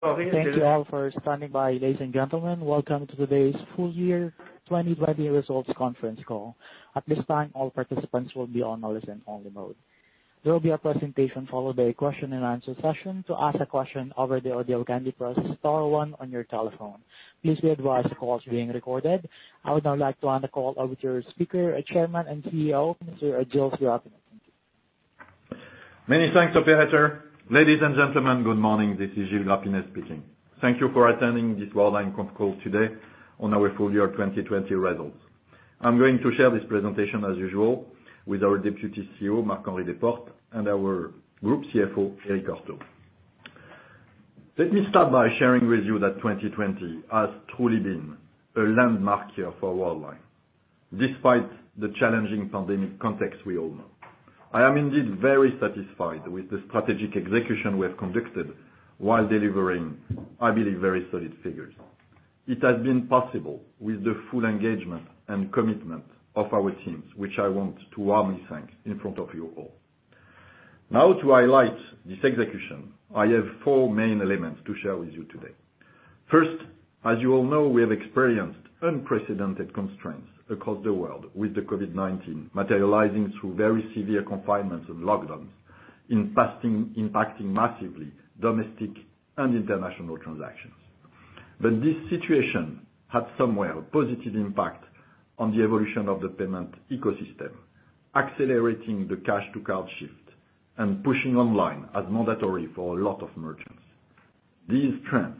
Thank you all for standing by, ladies and gentlemen. Welcome to today's full year 2020 results conference call. At this time, all participants will be on listen-only mode. There will be a presentation, followed by a question and answer session. To ask a question over the audio, you can press star one on your telephone. Please be advised the call is being recorded. I would now like to hand the call over to our speaker, Chairman and CEO, Mr. Gilles Grapinet. Thank you. Many thanks, operator. Ladies and gentlemen, good morning, this is Gilles Grapinet speaking. Thank you for attending this Worldline conf call today on our full year 2020 results. I'm going to share this presentation, as usual, with our Deputy CEO, Marc-Henri Desportes, and our Group CFO, Eric Heurtaux. Let me start by sharing with you that 2020 has truly been a landmark year for Worldline, despite the challenging pandemic context we all know. I am indeed very satisfied with the strategic execution we have conducted while delivering, I believe, very solid figures. It has been possible with the full engagement and commitment of our teams, which I want to warmly thank in front of you all. Now, to highlight this execution, I have four main elements to share with you today. First, as you all know, we have experienced unprecedented constraints across the world, with the COVID-19 materializing through very severe confinements and lockdowns, impacting massively domestic and international transactions. But this situation had somewhere a positive impact on the evolution of the payment ecosystem, accelerating the cash to card shift and pushing online as mandatory for a lot of merchants. These trends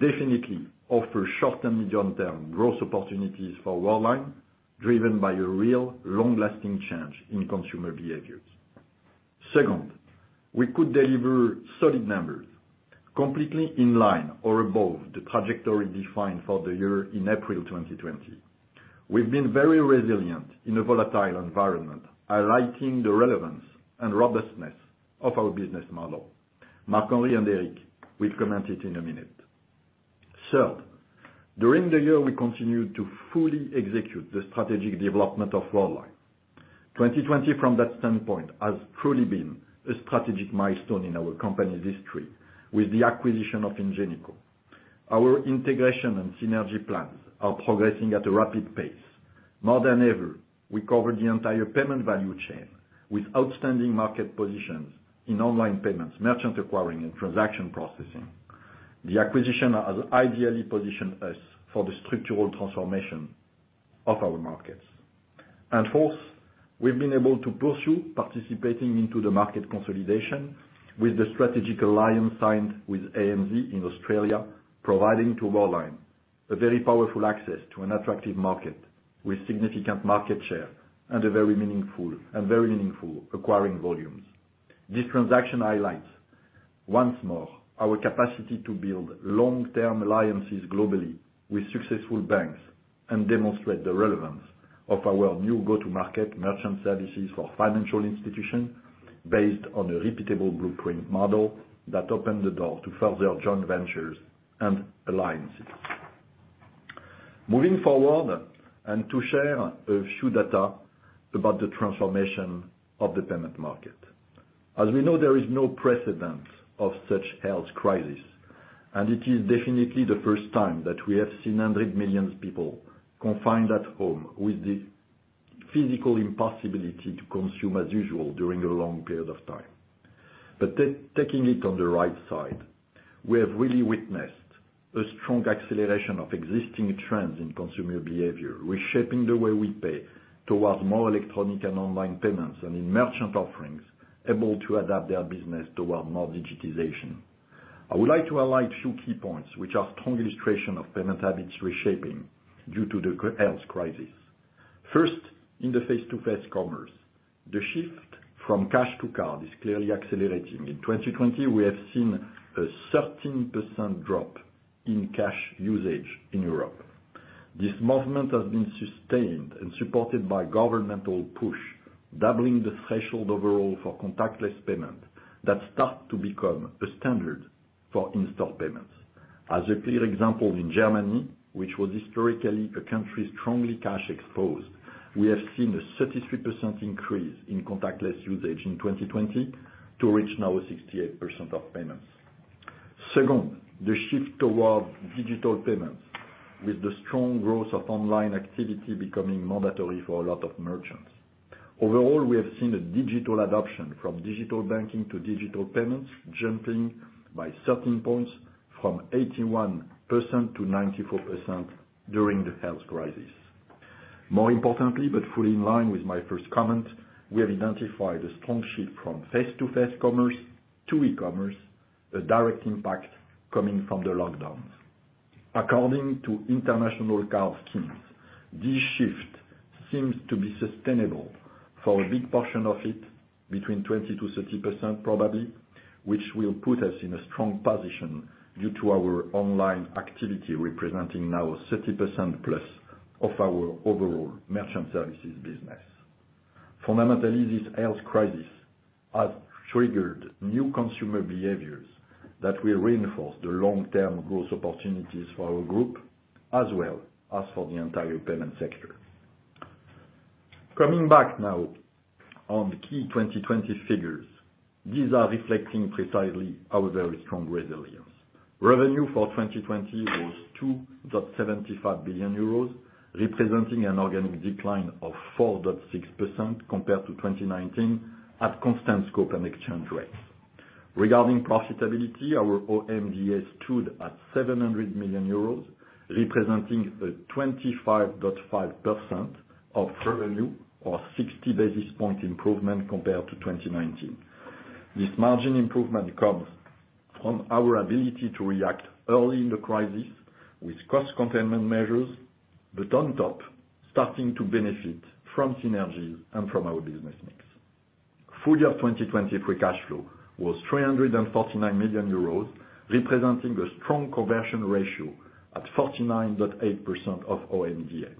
definitely offer short and medium-term growth opportunities for Worldline, driven by a real, long-lasting change in consumer behaviors. Second, we could deliver solid numbers, completely in line or above the trajectory defined for the year in April 2020. We've been very resilient in a volatile environment, highlighting the relevance and robustness of our business model. Marc-Henri and Eric will comment it in a minute. Third, during the year, we continued to fully execute the strategic development of Worldline. 2020, from that standpoint, has truly been a strategic milestone in our company's history with the acquisition of Ingenico. Our integration and synergy plans are progressing at a rapid pace. More than ever, we cover the entire payment value chain with outstanding market positions in online payments, merchant acquiring, and transaction processing. The acquisition has ideally positioned us for the structural transformation of our markets. And fourth, we've been able to pursue participating into the market consolidation with the strategic alliance signed with ANZ in Australia, providing to Worldline a very powerful access to an attractive market, with significant market share and a very meaningful, and very meaningful acquiring volumes. This transaction highlights, once more, our capacity to build long-term alliances globally with successful banks, and demonstrate the relevance of our new go-to-market merchant services for financial institutions, based on a repeatable blueprint model that opened the door to further joint ventures and alliances. Moving forward, and to share a few data about the transformation of the payment market. As we know, there is no precedent of such health crisis, and it is definitely the first time that we have seen hundreds of millions of people confined at home with the physical impossibility to consume as usual during a long period of time. But taking it on the right side, we have really witnessed a strong acceleration of existing trends in consumer behavior, reshaping the way we pay towards more electronic and online payments, and in merchant offerings, able to adapt their business toward more digitization. I would like to highlight a few key points, which are strong illustration of payment habits reshaping due to the COVID-19 health crisis. First, in the face-to-face commerce, the shift from cash to card is clearly accelerating. In 2020, we have seen a 13% drop in cash usage in Europe. This movement has been sustained and supported by governmental push, doubling the threshold overall for contactless payment that start to become a standard for in-store payments. As a clear example, in Germany, which was historically a country strongly cash-exposed, we have seen a 33% increase in contactless usage in 2020, to reach now 68% of payments. Second, the shift towards digital payments, with the strong growth of online activity becoming mandatory for a lot of merchants. Overall, we have seen a digital adoption from digital banking to digital payments, jumping by certain points from 81% to 94% during the health crisis. More importantly, but fully in line with my first comment, we have identified a strong shift from face-to-face commerce to e-commerce, a direct impact coming from the lockdowns. According to international card schemes, this shift seems to be sustainable for a big portion of it, between 20%-30%, probably, which will put us in a strong position due to our online activity, representing now 30%+ of our overall merchant services business. Fundamentally, this health crisis has triggered new consumer behaviors that will reinforce the long-term growth opportunities for our group, as well as for the entire payment sector. Coming back now on the key 2020 figures, these are reflecting precisely our very strong resilience. Revenue for 2020 was 2.75 billion euros, representing an organic decline of 4.6% compared to 2019 at constant scope and exchange rates. Regarding profitability, our OMDA stood at 700 million euros, representing a 25.5% of revenue, or sixty basis point improvement compared to 2019. This margin improvement comes from our ability to react early in the crisis with cost containment measures, but on top, starting to benefit from synergies and from our business mix. Full year 2020 free cash flow was 349 million euros, representing a strong conversion ratio at 49.8% of OMDA.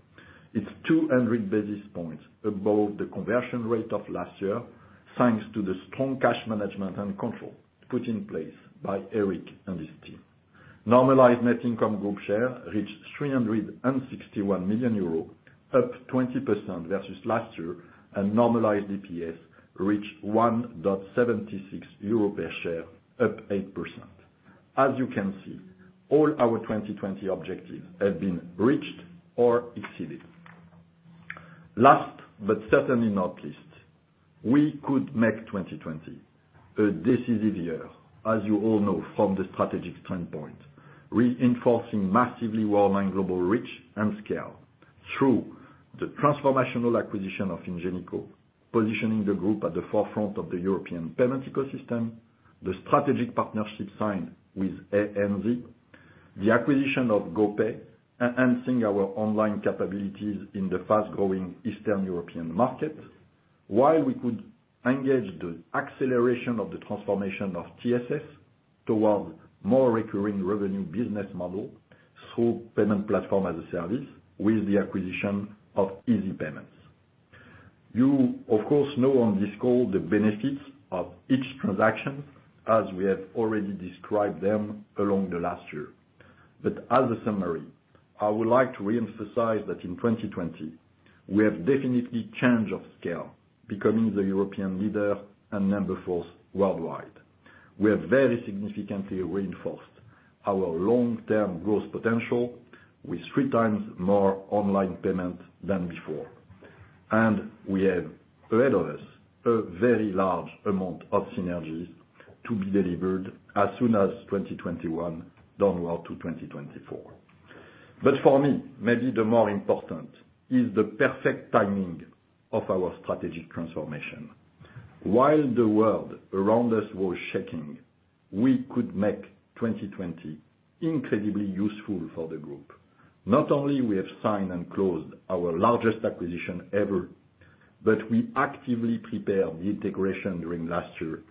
It's 200 basis points above the conversion rate of last year, thanks to the strong cash management and control put in place by Eric and his team. Normalized net income group share reached 361 million euros, up 20% versus last year, and normalized EPS reached 1.76 euros per share, up 8%. As you can see, all our 2020 objectives have been reached or exceeded. Last, but certainly not least, we could make 2020 a decisive year, as you all know from the strategic standpoint, reinforcing massively Worldline global reach and scale through the transformational acquisition of Ingenico, positioning the group at the forefront of the European payment ecosystem, the strategic partnership signed with ANZ, the acquisition of GoPay, enhancing our online capabilities in the fast-growing Eastern European market. While we could engage the acceleration of the transformation of TSS toward more recurring revenue business model through payment platform as a service with the acquisition of Easy Payments. You, of course, know on this call the benefits of each transaction, as we have already described them along the last year. But as a summary, I would like to re-emphasize that in 2020, we have definitely change of scale, becoming the European leader and number 4 worldwide. We have very significantly reinforced our long-term growth potential with three times more online payment than before, and we have ahead of us a very large amount of synergies to be delivered as soon as 2021 down well to 2024. But for me, maybe the more important is the perfect timing of our strategic transformation. While the world around us was shaking, we could make 2020 incredibly useful for the group. Not only we have signed and closed our largest acquisition ever, but we actively prepare the integration during last year,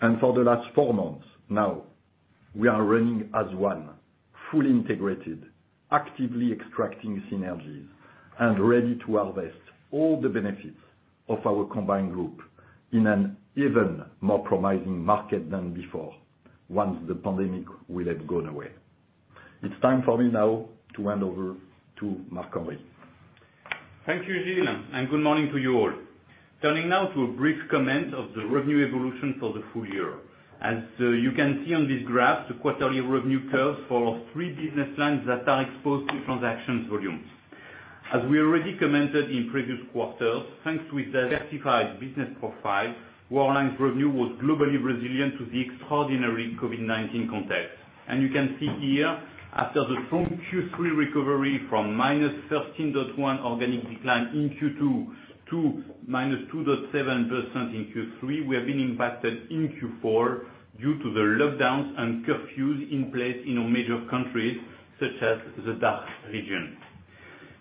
and for the last four months now, we are running as one, fully integrated, actively extracting synergies, and ready to harvest all the benefits of our combined group in an even more promising market than before, once the pandemic will have gone away. It's time for me now to hand over to Marc-Henri. Thank you, Gilles, and good morning to you all. Turning now to a brief comment of the revenue evolution for the full year. As you can see on this graph, the quarterly revenue curves for three business lines that are exposed to transactions volumes. As we already commented in previous quarters, thanks to the diversified business profile, Worldline's revenue was globally resilient to the extraordinary COVID-19 context. You can see here, after the strong Q3 recovery from -13.1 organic decline in Q2 to -2.7% in Q3, we have been impacted in Q4 due to the lockdowns and curfews in place in our major countries, such as the DACH region.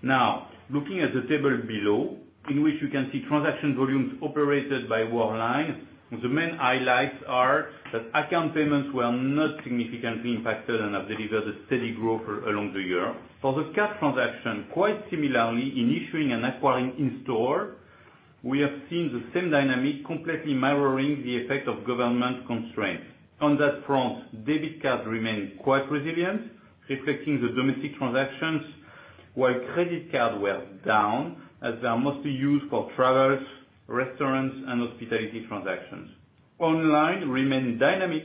Now, looking at the table below, in which you can see transaction volumes operated by Worldline, the main highlights are that account payments were not significantly impacted and have delivered a steady growth along the year. For the card transaction, quite similarly, in issuing and acquiring in-store, we have seen the same dynamic, completely mirroring the effect of government constraints. On that front, debit card remained quite resilient, reflecting the domestic transactions, while credit card were down, as they are mostly used for travels, restaurants, and hospitality transactions. Online remained dynamic,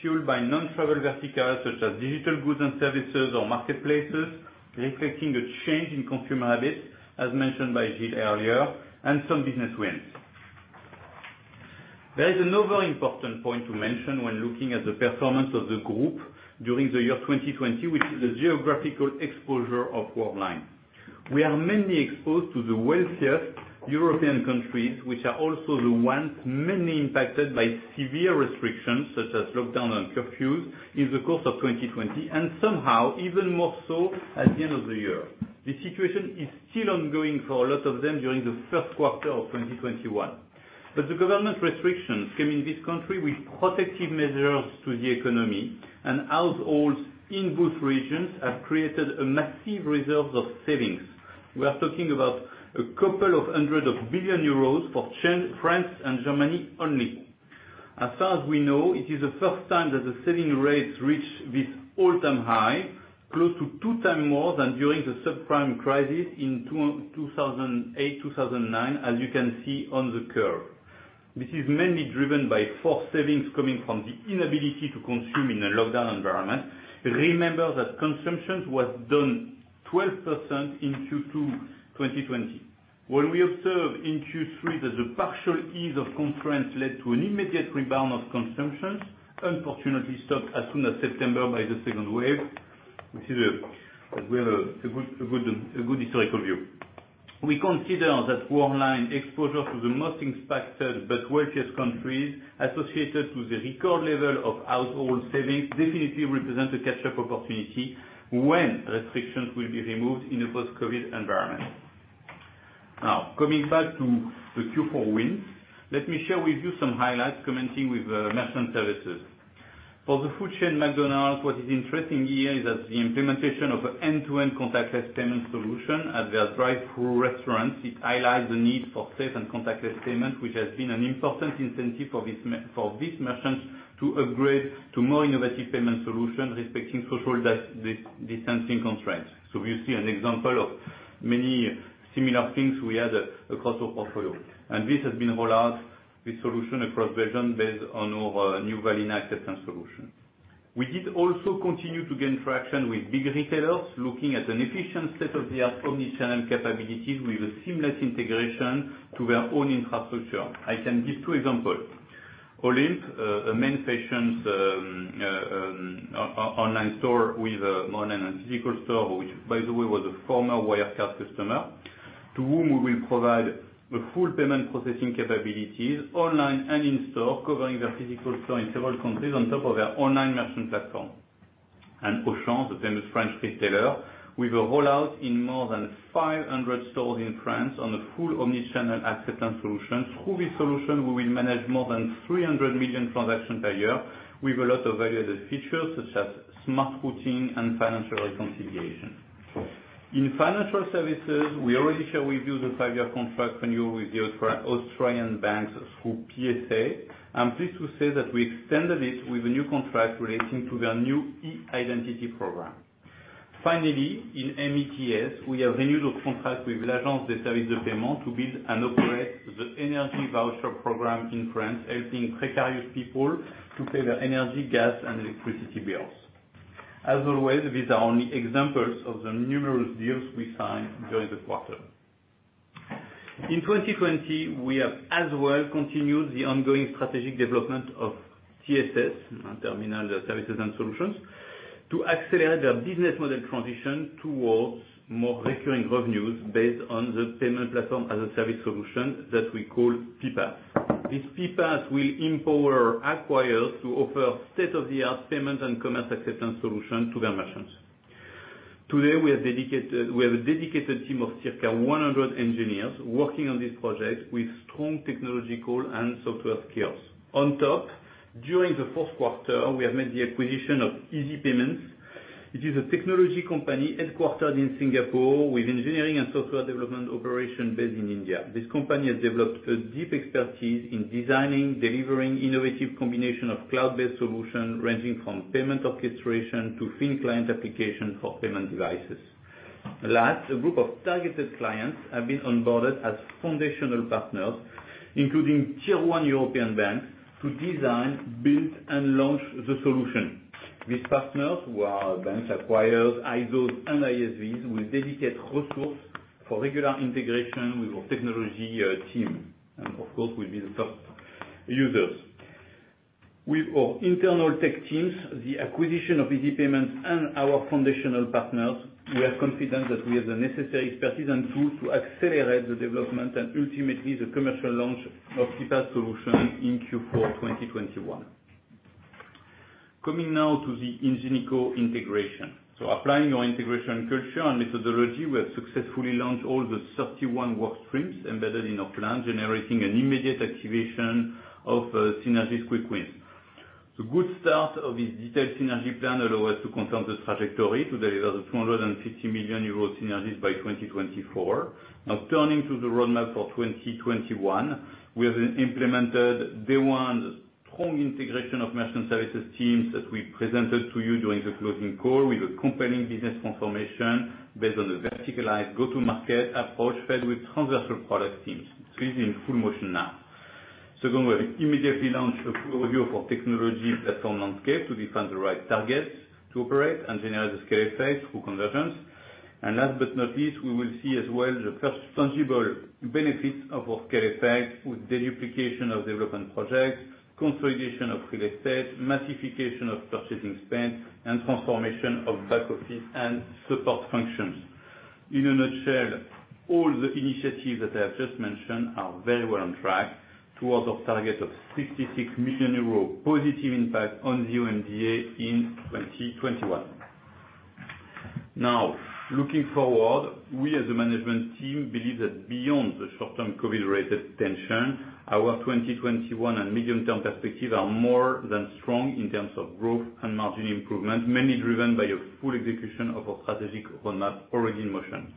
fueled by non-travel verticals such as digital goods and services or marketplaces, reflecting a change in consumer habits, as mentioned by Gilles earlier, and some business wins. There is another important point to mention when looking at the performance of the group during the year 2020, which is the geographical exposure of Worldline. We are mainly exposed to the wealthiest European countries, which are also the ones mainly impacted by severe restrictions, such as lockdown and curfews, in the course of 2020, and somehow, even more so at the end of the year. The situation is still ongoing for a lot of them during the first quarter of 2021. But the government restrictions came in this country with protective measures to the economy, and households in both regions have created a massive reserve of savings. We are talking about a couple of hundred billion EUR for France and Germany only. As far as we know, it is the first time that the saving rates reach this all-time high, close to 2x more than during the subprime crisis in 2008, 2009, as you can see on the curve. This is mainly driven by forced savings coming from the inability to consume in a lockdown environment. Remember that consumption was down 12% in Q2 2020. What we observe in Q3 that the partial ease of constraints led to an immediate rebound of consumptions, unfortunately, stopped as soon as September by the second wave, which is, we have a good historical view. We consider that online exposure to the most impacted but wealthiest countries, associated with the record level of household savings, definitely represent a catch-up opportunity when restrictions will be removed in a post-COVID environment. Now, coming back to the Q4 wins, let me share with you some highlights, commencing with merchant services. For the food chain McDonald's, what is interesting here is that the implementation of an end-to-end contactless payment solution at their drive-through restaurants, it highlights the need for safe and contactless payment, which has been an important incentive for these merchants to upgrade to more innovative payment solutions, respecting social distancing constraints. So you see an example of many similar things we had across our portfolio, and this has been rolled out, this solution, across regions, based on our new Valina acceptance solution. We did also continue to gain traction with big retailers, looking at an efficient state-of-the-art omni-channel capabilities with a seamless integration to their own infrastructure. I can give two examples. Olymp, a major online store with more than one physical store, which by the way, was a former Wirecard customer, to whom we will provide the full payment processing capabilities online and in-store, covering their physical store in several countries on top of their online merchant platform. And Auchan, the famous French retailer, with a rollout in more than 500 stores in France on a full omni-channel acceptance solution. Through this solution, we will manage more than 300 million transactions per year, with a lot of value-added features, such as smart routing and financial reconciliation. In financial services, we already share with you the five-year contract renewal with the Austrian banks through PSA. I'm pleased to say that we extended it with a new contract relating to their new E-identity program. Finally, in MTS, we have renewed a contract with Agence de Services et de Paiement to build and operate the energy voucher program in France, helping precarious people to pay their energy, gas, and electricity bills. As always, these are only examples of the numerous deals we signed during the quarter. In 2020, we have, as well, continued the ongoing strategic development of TSS, Terminal Services and Solutions, to accelerate their business model transition towards more recurring revenues based on the payment platform as a service solution that we call PPAS. This PPAS will empower acquirers to offer state-of-the-art payment and commerce acceptance solution to their merchants. Today, we have a dedicated team of circa 100 engineers working on this project with strong technological and software skills. On top, during the fourth quarter, we have made the acquisition of Easy Payments. It is a technology company headquartered in Singapore with engineering and software development operation based in India. This company has developed a deep expertise in designing, delivering innovative combination of cloud-based solutions, ranging from payment orchestration to thin client application for payment devices. Last, a group of targeted clients have been onboarded as foundational partners, including Tier One European banks, to design, build, and launch the solution. These partners, who are banks, acquirers, ISOs, and ISVs, with dedicated resources for regular integration with our technology team, and of course, will be the top users. With our internal tech teams, the acquisition of Easy Payments, and our foundational partners, we are confident that we have the necessary expertise and tools to accelerate the development, and ultimately, the commercial launch of PPAS solution in Q4 2021. Coming now to the Ingenico integration. So applying our integration culture and methodology, we have successfully launched all the 31 work streams embedded in our plan, generating an immediate activation of synergies quick wins. The good start of this detailed synergy plan allow us to confirm the trajectory to deliver 250 million euro synergies by 2024. Now, turning to the roadmap for 2021, we have implemented day one strong integration of Merchant Services teams that we presented to you during the closing call, with a compelling business transformation based on a verticalized go-to-market approach, paired with transversal product teams. This is in full motion now. Second, we have immediately launched a full review for technology platform landscape to define the right targets to operate and generate the scale effects through convergence. Last but not least, we will see as well the first tangible benefits of our scale effects with the deduplication of development projects, consolidation of real estate, massification of purchasing spend, and transformation of back office and support functions. In a nutshell, all the initiatives that I have just mentioned are very well on track towards our target of 66 million euros positive impact on the OMDA in 2021. Now, looking forward, we as a management team, believe that beyond the short-term COVID-related tension, our 2021 and medium-term perspectives are more than strong in terms of growth and margin improvement, mainly driven by a full execution of our strategic roadmap already in motion.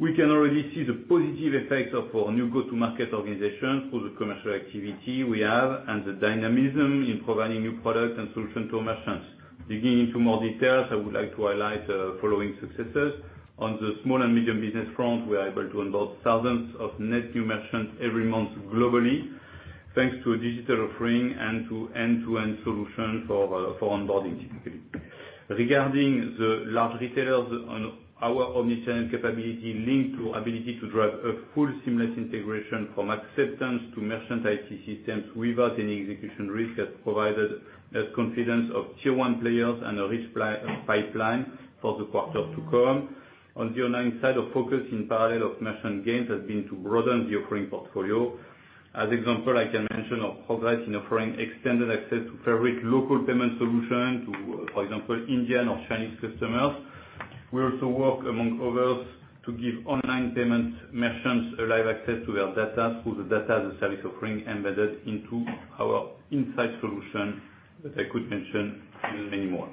We can already see the positive effects of our new go-to-market organization through the commercial activity we have, and the dynamism in providing new products and solutions to our merchants. Digging into more details, I would like to highlight following successes. On the small and medium business front, we are able to onboard thousands of net new merchants every month globally, thanks to a digital offering and to end-to-end solution for for onboarding typically. Regarding the large retailers on our omni-channel capability linked to ability to drive a full seamless integration from acceptance to merchant IT systems without any execution risk, has provided us confidence of Tier One players and a rich pipeline for the quarter to come. On the online side, our focus in parallel of merchant gains has been to broaden the offering portfolio. As example, I can mention our progress in offering extended access to favorite local payment solutions to, for example, Indian or Chinese customers. We also work, among others, to give online payment merchants a live access to their data through the Data as a Service offering embedded into our Insight solution, that I could mention, and many more.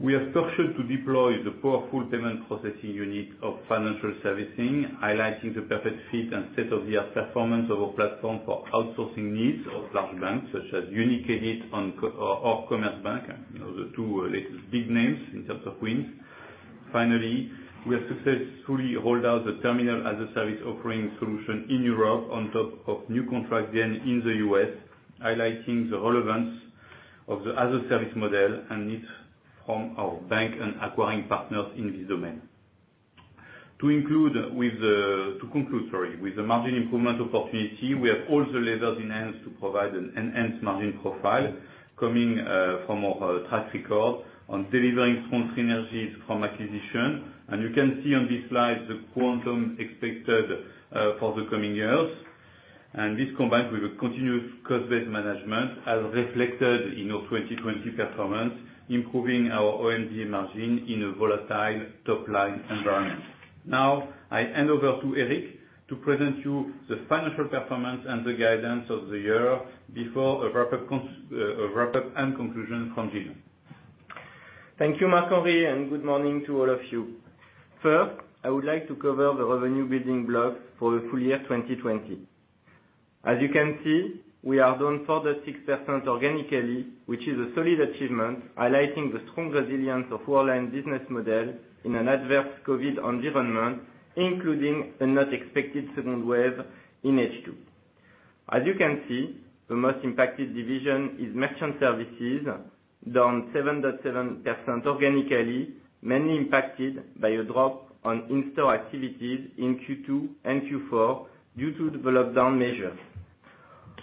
We are structured to deploy the powerful payment processing unit of financial servicing, highlighting the perfect fit and state-of-the-art performance of our platform for outsourcing needs of large banks, such as UniCredit and co- or Commerzbank, you know, the two, latest big names in terms of wins. Finally, we have successfully rolled out the Terminal as a Service offering solution in Europe, on top of new contract then in the US, highlighting the relevance of the as-a-service model and needs from our bank and acquiring partners in this domain. To conclude, sorry, with the margin improvement opportunity, we have all the levers enhanced to provide an enhanced margin profile coming from our track record on delivering strong synergies from acquisition. And you can see on this slide the quantum expected for the coming years. And this combined with a continuous cost-based management, as reflected in our 2020 performance, improving our OMDA margin in a volatile top line environment. Now, I hand over to Eric to present you the financial performance and the guidance of the year before a wrap-up and conclusion from Gilles. Thank you, Marc-Henri, and good morning to all of you. First, I would like to cover the revenue building blocks for the full year 2020. As you can see, we are down 4.6% organically, which is a solid achievement, highlighting the strong resilience of Worldline business model in an adverse COVID environment, including a not expected second wave in H2. As you can see, the most impacted division is merchant services, down 7.7% organically, mainly impacted by a drop on in-store activities in Q2 and Q4 due to the lockdown measures.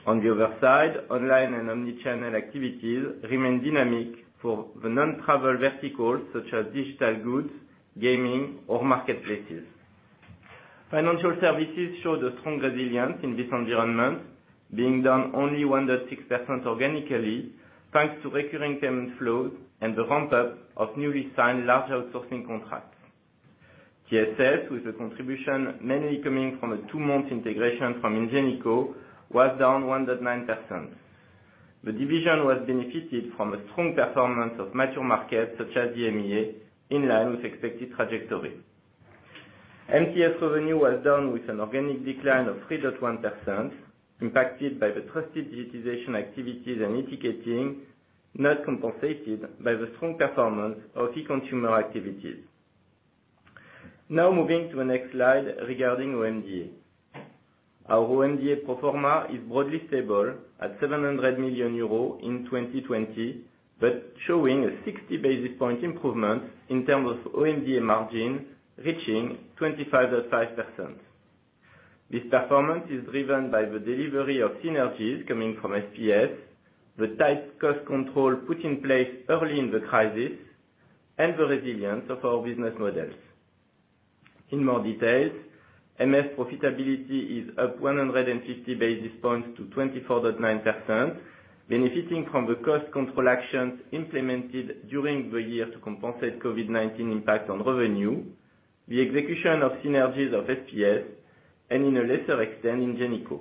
On the other side, online and omni-channel activities remain dynamic for the non-travel verticals such as digital goods, gaming, or marketplaces. Financial services showed a strong resilience in this environment, being down only 1.6% organically, thanks to recurring payment flows and the ramp-up of newly signed large outsourcing contracts. TSS, with a contribution mainly coming from a two-month integration from Ingenico, was down 1.9%. The division was benefited from a strong performance of mature markets, such as EMEA, in line with expected trajectory. MTS revenue was down with an organic decline of 3.1%, impacted by the trusted digitization activities and ticketing, not compensated by the strong performance of e-consumer activities. Now, moving to the next slide regarding OMDA. Our OMDA pro forma is broadly stable at 700 million euros in 2020, but showing a 60 basis point improvement in terms of OMDA margin, reaching 25.5%. This performance is driven by the delivery of synergies coming from SPS, the tight cost control put in place early in the crisis, and the resilience of our business models. In more detail, MS profitability is up 150 basis points to 24.9%, benefiting from the cost control actions implemented during the year to compensate COVID-19 impact on revenue, the execution of synergies of SPS, and in a lesser extent, Ingenico.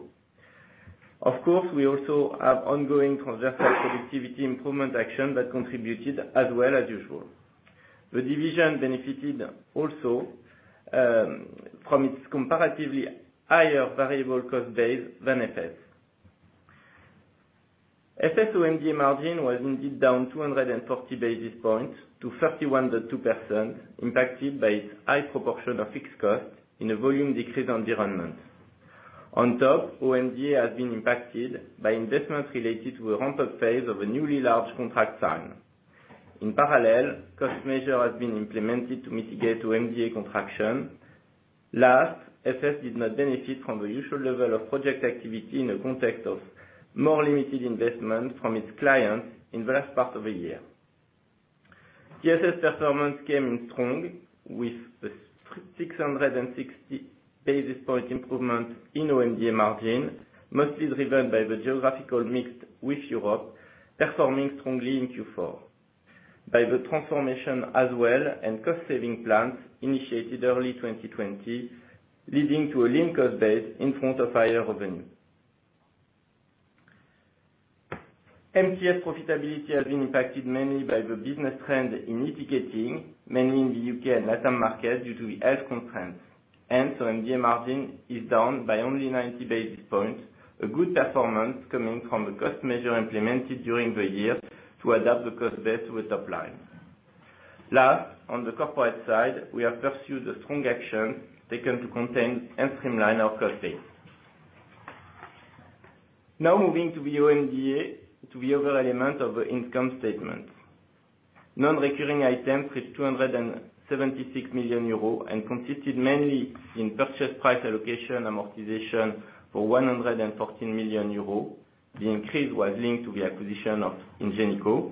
Of course, we also have ongoing transversal productivity improvement action that contributed as well as usual. The division benefited also from its comparatively higher variable cost base than FS. FS OMDA margin was indeed down 240 basis points to 31.2%, impacted by its high proportion of fixed costs in a volume decrease environment. On top, OMDA has been impacted by investments related to a ramp-up phase of a newly large contract signed. In parallel, cost measure has been implemented to mitigate OMDA contraction. Last, FS did not benefit from the usual level of project activity in the context of more limited investment from its clients in the last part of the year. TSS performance came in strong, with a 660 basis point improvement in OMDA margin, mostly driven by the geographical mix with Europe, performing strongly in Q4, by the transformation as well, and cost saving plans initiated early 2020, leading to a lean cost base in front of higher revenue. MTS profitability has been impacted mainly by the business trend in e-ticketing, mainly in the UK and Latin market, due to the health constraint. And so OMDA margin is down by only 90 basis points, a good performance coming from the cost measure implemented during the year to adapt the cost base to a top line. Last, on the corporate side, we have pursued a strong action taken to contain and streamline our cost base. Now moving to the OMDA, to the other element of the income statement. Non-recurring items is 276 million euros, and consisted mainly in purchase price allocation amortization for 114 million euros. The increase was linked to the acquisition of Ingenico.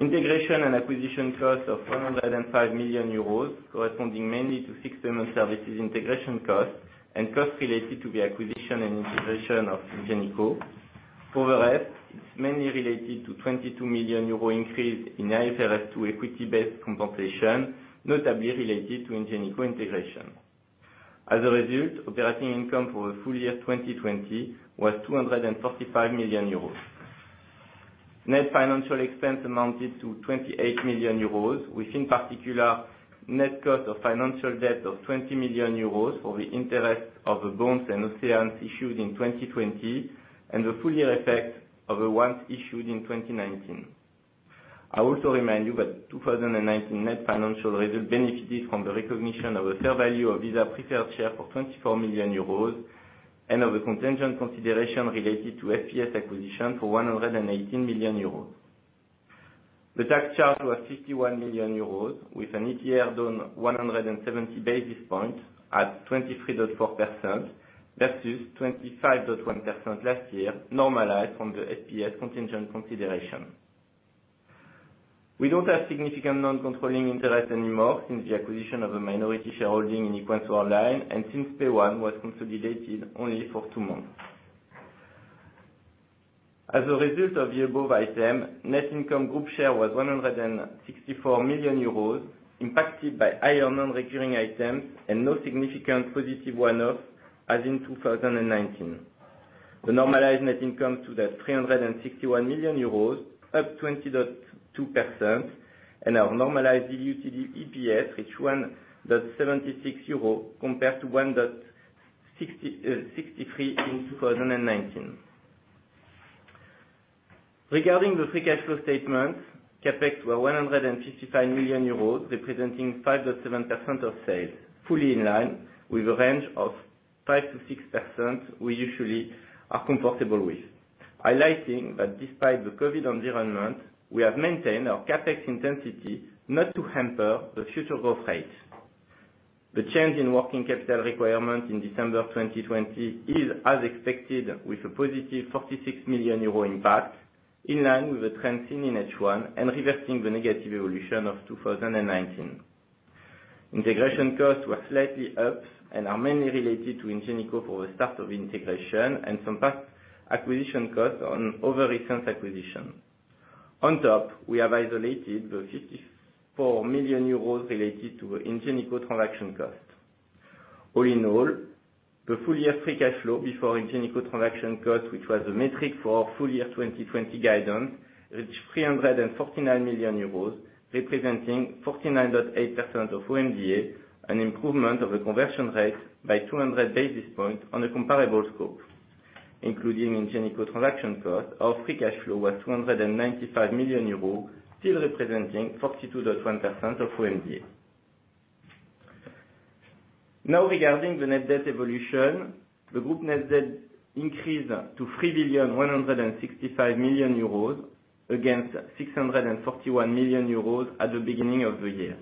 Integration and acquisition costs of 105 million euros, corresponding mainly to FS payment services integration costs, and costs related to the acquisition and integration of Ingenico. For the rest, it's mainly related to 22 million euro increase in IFRS 2 equity-based compensation, notably related to Ingenico integration. As a result, operating income for the full year 2020 was 245 million euros. Net financial expense amounted to 28 million euros, with, in particular, net cost of financial debt of 20 million euros for the interest of the bonds and OCEANEs issued in 2020, and the full year effect of the ones issued in 2019. I also remind you that 2019 net financial result benefited from the recognition of the fair value of Visa preferred share for 24 million euros, and of a contingent consideration related to SPS acquisition for 118 million euros. The tax charge was 51 million euros, with an ETR down 170 basis points at 23.4% versus 25.1% last year, normalized from the FPS contingent consideration. We don't have significant non-controlling interest anymore since the acquisition of a minority shareholding in equensWorldline, and since Payone was consolidated only for two months. As a result of the above item, net income Group share was 164 million euros, impacted by higher non-recurring items and no significant positive one-off as in 2019. The normalized net income Group share that 361 million euros, up 20.2%, and our normalized diluted EPS, which EUR 1.76, compared to 1.6063 in 2019. Regarding the free cash flow statement, CapEx were 155 million euros, representing 5.7% of sales, fully in line with a range of 5%-6% we usually are comfortable with. Highlighting that despite the COVID environment, we have maintained our CapEx intensity not to hamper the future growth rate. The change in working capital requirement in December 2020 is as expected, with a positive 46 million euro impact, in line with the trends seen in H1 and reversing the negative evolution of 2019. Integration costs were slightly up and are mainly related to Ingenico for the start of integration and some past acquisition costs on over recent acquisition. On top, we have isolated the 54 million euros related to Ingenico transaction cost. All in all, the full year free cash flow before Ingenico transaction cost, which was the metric for our full year 2020 guidance, reached 349 million euros, representing 49.8% of OMDA, an improvement of the conversion rate by 200 basis points on a comparable scope. Including Ingenico transaction cost, our free cash flow was 295 million euros, still representing 42.1% of OMDA. Now, regarding the net debt evolution, the group net debt increased to 3,165 million euros against 641 million euros at the beginning of the year.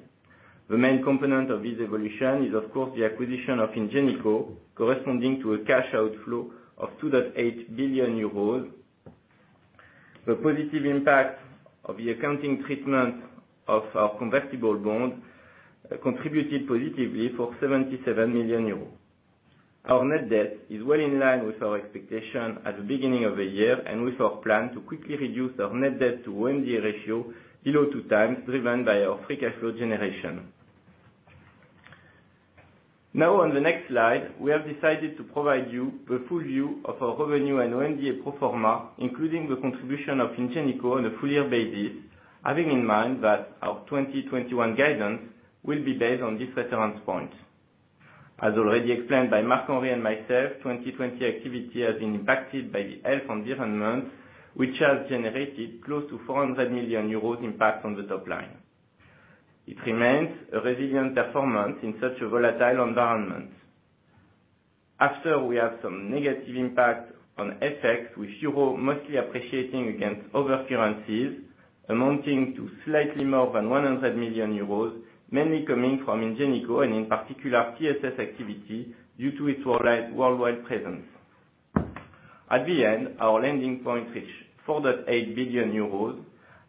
The main component of this evolution is, of course, the acquisition of Ingenico, corresponding to a cash outflow of 2.8 billion euros. The positive impact of the accounting treatment of our convertible bond contributed positively for 77 million euros. Our net debt is well in line with our expectation at the beginning of the year, and with our plan to quickly reduce our net debt to OMDA ratio below 2x, driven by our free cash flow generation. Now, on the next slide, we have decided to provide you the full view of our revenue and OMDA pro forma, including the contribution of Ingenico on a full year basis, having in mind that our 2021 guidance will be based on this reference point. As already explained by Marc-Henri and myself, 2020 activity has been impacted by the health environment, which has generated close to 400 million euros impact on the top line. It remains a resilient performance in such a volatile environment. After, we have some negative impact on FX, with euro mostly appreciating against other currencies, amounting to slightly more than 100 million euros, mainly coming from Ingenico and in particular, TSS activity, due to its worldwide presence. At the end, our lending point reached 4.8 billion euros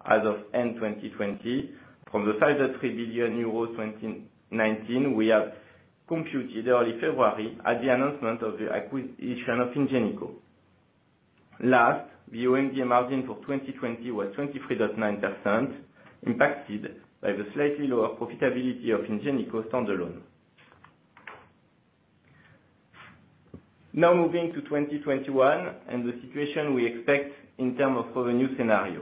as of end 2020, from the 5.3 billion euros 2019, we have computed early February at the announcement of the acquisition of Ingenico. Last, the OMDA margin for 2020 was 23.9%, impacted by the slightly lower profitability of Ingenico standalone... Now moving to 2021 and the situation we expect in terms of revenue scenario.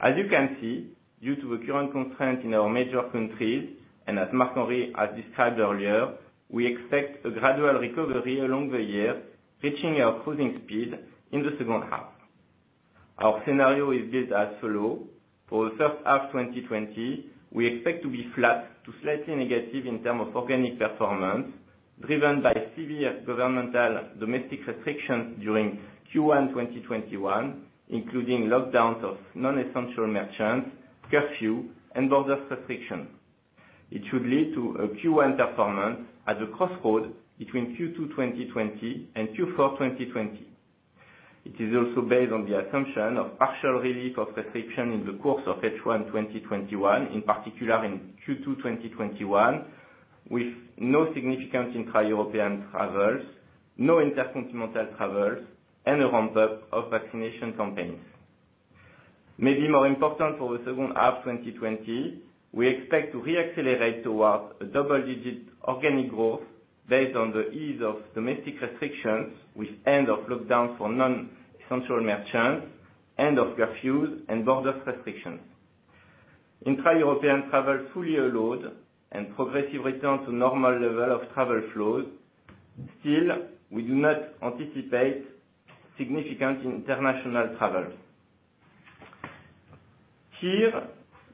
As you can see, due to the current constraint in our major countries, and as Marc-Henri has described earlier, we expect a gradual recovery along the year, reaching our cruising speed in the second half. Our scenario is built as follows: for the first half 2020, we expect to be flat to slightly negative in terms of organic performance, driven by severe governmental domestic restrictions during Q1 2021, including lockdowns of non-essential merchants, curfew, and border restrictions. It should lead to a Q1 performance at the crossroads between Q2 2020 and Q4 2020. It is also based on the assumption of partial relief of restrictions in the course of H1 2021, in particular in Q2 2021, with no significant intra-European travels, no intercontinental travels, and a ramp-up of vaccination campaigns. Maybe more important for the second half 2020, we expect to reaccelerate towards a double-digit organic growth based on the ease of domestic restrictions with end of lockdown for non-essential merchants, end of curfews, and border restrictions. Intra-European travel fully allowed and progressive return to normal level of travel flows. Still, we do not anticipate significant international travel. Here,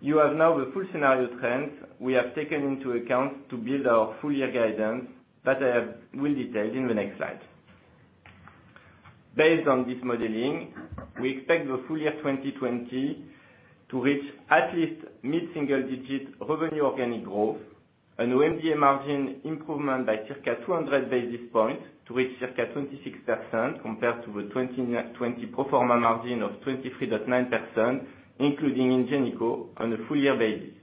you have now the full scenario trends we have taken into account to build our full year guidance that I will detail in the next slide. Based on this modeling, we expect the full year 2020 to reach at least mid-single-digit revenue organic growth and OMDA margin improvement by circa 200 basis points to reach circa 26% compared to the 2019-2020 pro forma margin of 23.9%, including Ingenico, on a full year basis.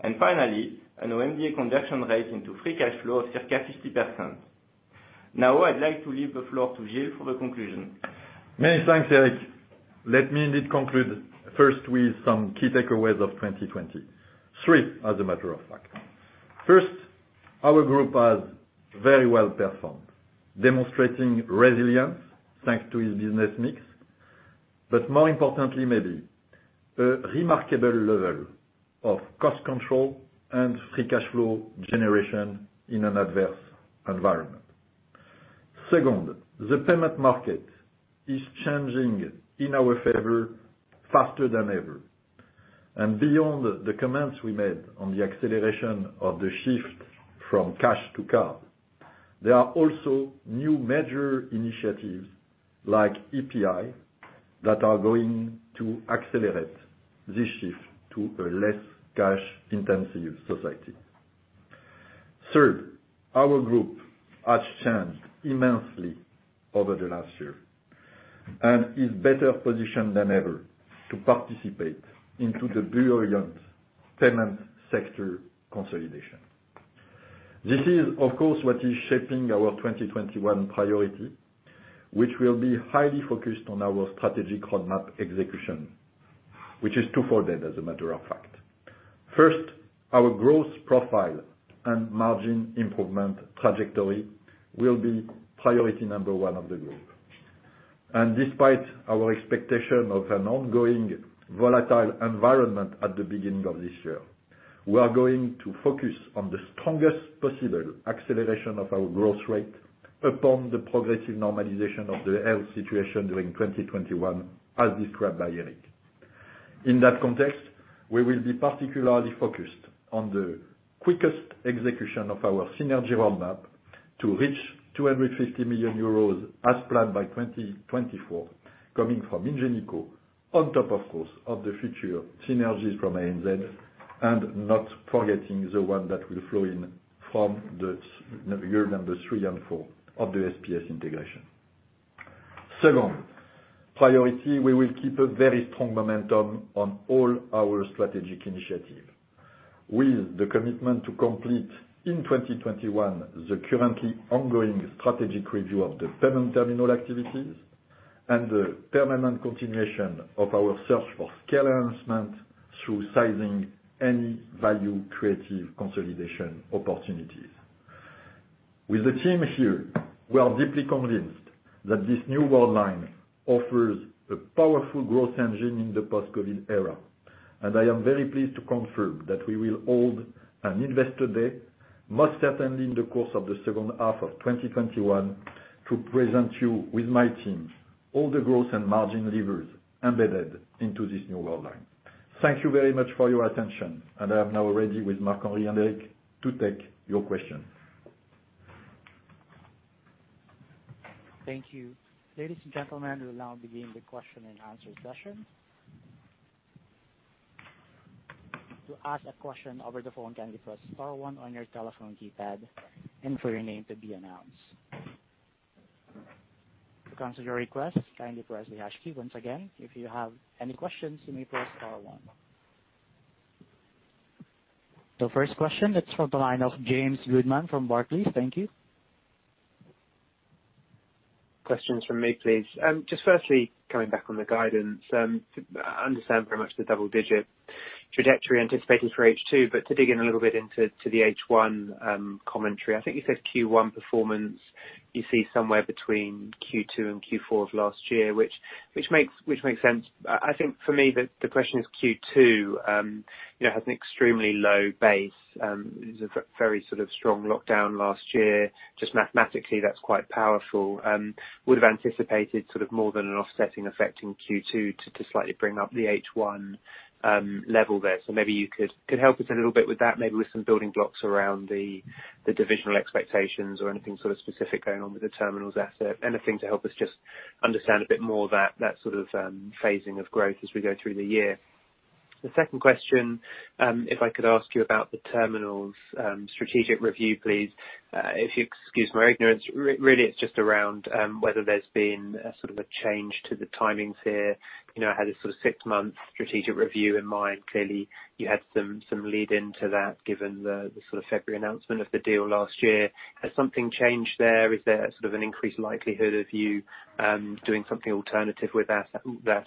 And finally, an OMDA conversion rate into free cash flow of circa 50%. Now, I'd like to leave the floor to Gilles for the conclusion. Many thanks, Eric. Let me indeed conclude first with some key takeaways of 2020. Three, as a matter of fact. First, our group has very well performed, demonstrating resilience thanks to its business mix, but more importantly, maybe, a remarkable level of cost control and free cash flow generation in an adverse environment. Second, the payment market is changing in our favor faster than ever, and beyond the comments we made on the acceleration of the shift from cash to card, there are also new major initiatives, like EPI, that are going to accelerate this shift to a less cash-intensive society. Third, our group has changed immensely over the last year and is better positioned than ever to participate into the brilliant payment sector consolidation. This is, of course, what is shaping our 2021 priority, which will be highly focused on our strategic roadmap execution, which is two-fold, as a matter of fact. First, our growth profile and margin improvement trajectory will be priority number one of the group. And despite our expectation of an ongoing volatile environment at the beginning of this year, we are going to focus on the strongest possible acceleration of our growth rate upon the progressive normalization of the health situation during 2021, as described by Eric. In that context, we will be particularly focused on the quickest execution of our synergy roadmap to reach 250 million euros as planned by 2024, coming from Ingenico, on top, of course, of the future synergies from ANZ, and not forgetting the one that will flow in from the SPS year number three and four of the SPS integration. Second priority, we will keep a very strong momentum on all our strategic initiative, with the commitment to complete in 2021 the currently ongoing strategic review of the payment terminal activities and the permanent continuation of our search for scale enhancement through sizing any value creative consolidation opportunities. With the team here, we are deeply convinced that this new Worldline offers a powerful growth engine in the post-COVID era, and I am very pleased to confirm that we will hold an investor day, most certainly in the course of the second half of 2021, to present you, with my teams, all the growth and margin levers embedded into this new Worldline. Thank you very much for your attention, and I am now ready with Marc-Henri and Eric to take your questions. Thank you. Ladies and gentlemen, we'll now begin the question and answer session. To ask a question over the phone, kindly press star one on your telephone keypad, and for your name to be announced. To cancel your request, kindly press the hash key. Once again, if you have any questions, you may press star one. The first question, it's from the line of James Goodman from Barclays. Thank you. ... Questions from me, please. Just firstly, coming back on the guidance, I understand very much the double digit trajectory anticipating for H2, but to dig in a little bit into the H1 commentary, I think you said Q1 performance, you see somewhere between Q2 and Q4 of last year, which makes sense. I think for me, the question is Q2, you know, has an extremely low base, it was a very sort of strong lockdown last year. Just mathematically, that's quite powerful. Would have anticipated sort of more than an offsetting effect in Q2 to slightly bring up the H1 level there. So maybe you could help us a little bit with that, maybe with some building blocks around the divisional expectations or anything sort of specific going on with the terminals asset. Anything to help us just understand a bit more that sort of phasing of growth as we go through the year. The second question, if I could ask you about the terminals strategic review, please. If you excuse my ignorance, really it's just around whether there's been a sort of a change to the timings here. You know, I had a sort of six-month strategic review in mind. Clearly, you had some lead into that, given the sort of February announcement of the deal last year. Has something changed there? Is there sort of an increased likelihood of you doing something alternative with that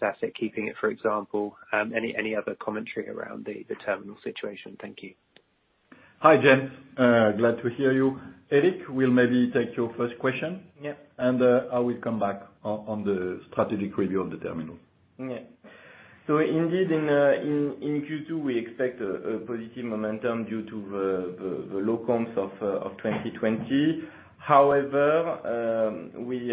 asset, keeping it, for example, any other commentary around the terminal situation? Thank you. Hi, James. Glad to hear you. Eric will maybe take your first question. Yeah. I will come back on the strategic review of the terminal. Yeah. So indeed, in Q2, we expect a positive momentum due to the low comps of 2020. However, we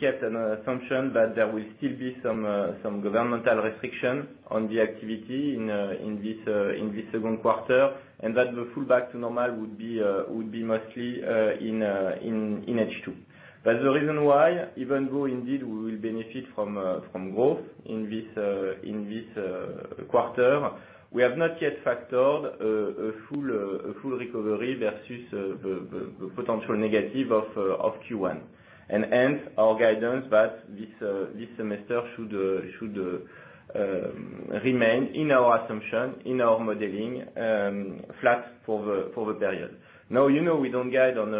kept an assumption that there will still be some governmental restriction on the activity in this second quarter, and that the full back to normal would be mostly in H2. That's the reason why, even though indeed we will benefit from growth in this quarter, we have not yet factored a full recovery versus the potential negative of Q1. And hence, our guidance that this semester should remain in our assumption, in our modeling, flat for the period. Now, you know, we don't guide on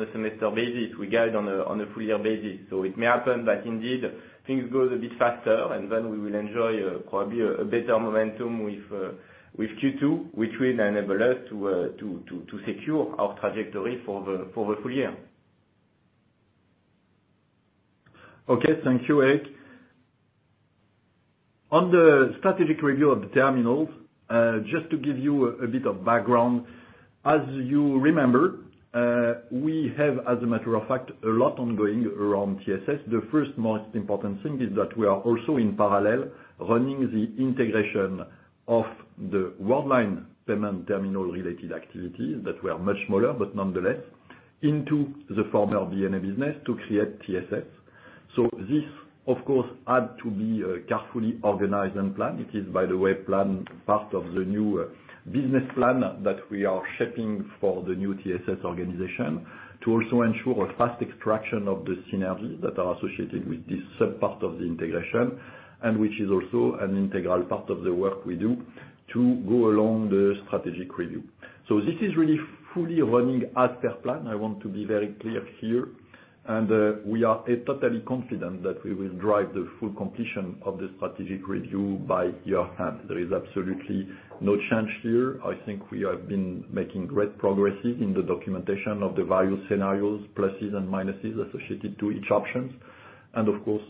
a semester basis, we guide on a full year basis. So it may happen that indeed, things go a bit faster, and then we will enjoy probably a better momentum with Q2, which will enable us to secure our trajectory for the full year. Okay, thank you, Eric. On the strategic review of the terminals, just to give you a bit of background, as you remember, we have, as a matter of fact, a lot ongoing around TSS. The first most important thing is that we are also, in parallel, running the integration of the Worldline payment terminal-related activities that were much smaller, but nonetheless, into the former Ingenico business to create TSS. So this, of course, had to be, carefully organized and planned. It is, by the way, planned part of the new, business plan that we are shaping for the new TSS organization to also ensure a fast extraction of the synergies that are associated with this sub-part of the integration, and which is also an integral part of the work we do to go along the strategic review. So this is really fully running as per plan. I want to be very clear here, and we are totally confident that we will drive the full completion of the strategic review by year half. There is absolutely no change here. I think we have been making great progresses in the documentation of the value scenarios, pluses and minuses associated to each options. And of course,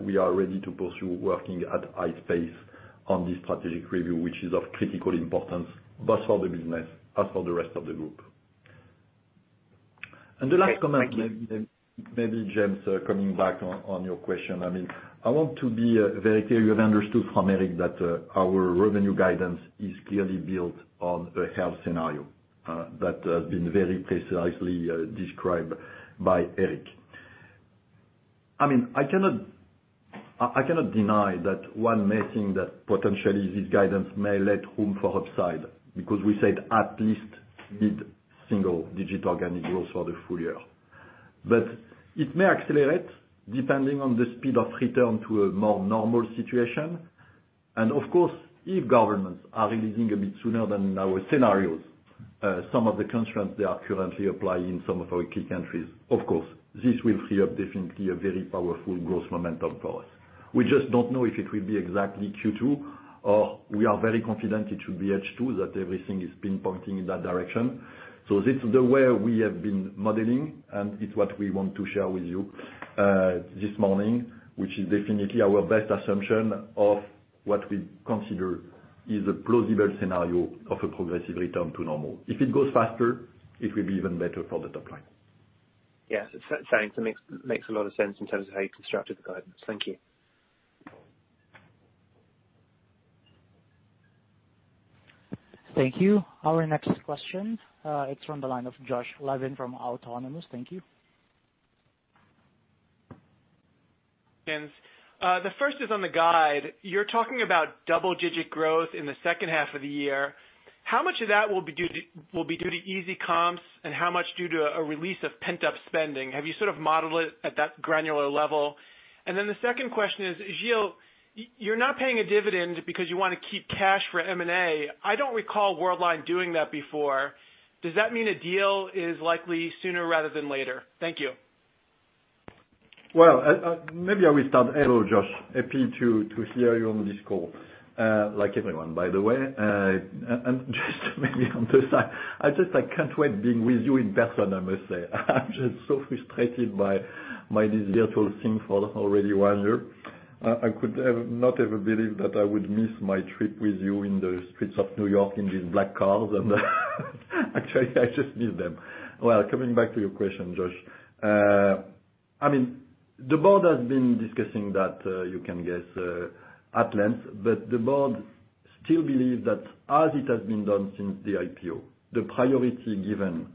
we are ready to pursue working at high pace on this strategic review, which is of critical importance, both for the business, as for the rest of the group. And the last comment. Thank you. Maybe, James, coming back on your question, I mean, I want to be very clear. You have understood from Eric that our revenue guidance is clearly built on a health scenario that has been very precisely described by Eric. I mean, I cannot, I cannot deny that one may think that potentially this guidance may leave room for upside, because we said at least mid-single digit organic growth for the full year. But it may accelerate, depending on the speed of return to a more normal situation. And of course, if governments are releasing a bit sooner than our scenarios some of the constraints they are currently applying in some of our key countries, of course, this will create definitely a very powerful growth momentum for us. We just don't know if it will be exactly Q2, or we are very confident it should be H2, that everything is pinpointing in that direction. So this is the way we have been modeling, and it's what we want to share with you, this morning, which is definitely our best assumption of what we consider is a plausible scenario of a progressive return to normal. If it goes faster, it will be even better for the top line. Yes, thanks. It makes a lot of sense in terms of how you constructed the guidance. Thank you. Thank you. Our next question, it's from the line of Josh Levin from Autonomous. Thank you. Yes, the first is on the guide. You're talking about double-digit growth in the second half of the year. How much of that will be due to easy comps, and how much due to a release of pent-up spending? Have you sort of modeled it at that granular level? And then the second question is, Gilles, you're not paying a dividend because you want to keep cash for M&A. I don't recall Worldline doing that before. Does that mean a deal is likely sooner rather than later? Thank you.... Well, maybe I will start. Hello, Josh. Happy to hear you on this call, like everyone, by the way. Just maybe on the side, I just can't wait being with you in person, I must say. I'm just so frustrated by this virtual thing for already one year. I could have not ever believed that I would miss my trip with you in the streets of New York, in these black cars. Actually, I just miss them. Well, coming back to your question, Josh. I mean, the board has been discussing that, you can guess, at length, but the board still believe that as it has been done since the IPO, the priority given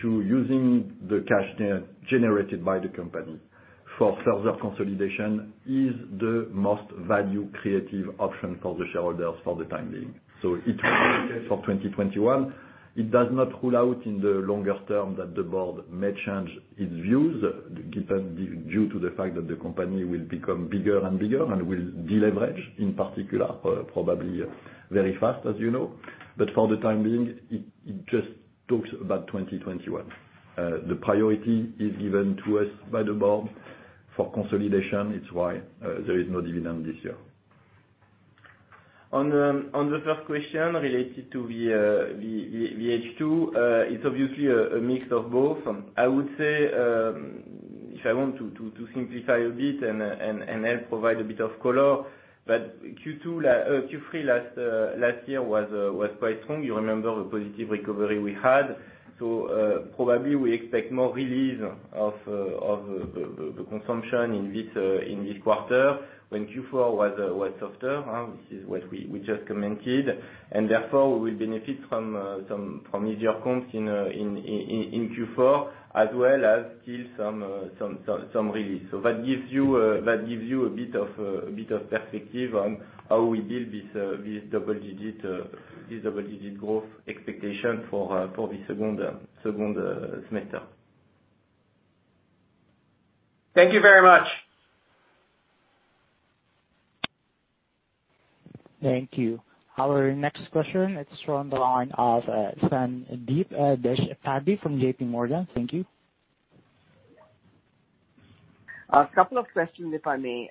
to using the cash net generated by the company for further consolidation, is the most value creative option for the shareholders for the time being. So it will be the case for 2021. It does not rule out in the longer term that the board may change its views, due to the fact that the company will become bigger and bigger, and will deleverage, in particular, probably very fast, as you know. But for the time being, it just talks about 2021. The priority is given to us by the board for consolidation. It's why there is no dividend this year. On the first question, related to the H2, it's obviously a mix of both. I would say, if I want to simplify a bit and help provide a bit of color, but Q3 last year was quite strong. You remember the positive recovery we had, so probably we expect more release of the consumption in this quarter, when Q4 was softer, huh? This is what we just commented, and therefore we will benefit from some easier comps in Q4, as well as still some release. So that gives you a bit of perspective on how we deal with this double digit growth expectation for the second semester. Thank you very much. Thank you. Our next question is from the line of Sandeep Deshpande from JPMorgan. Thank you. A couple of questions, if I may.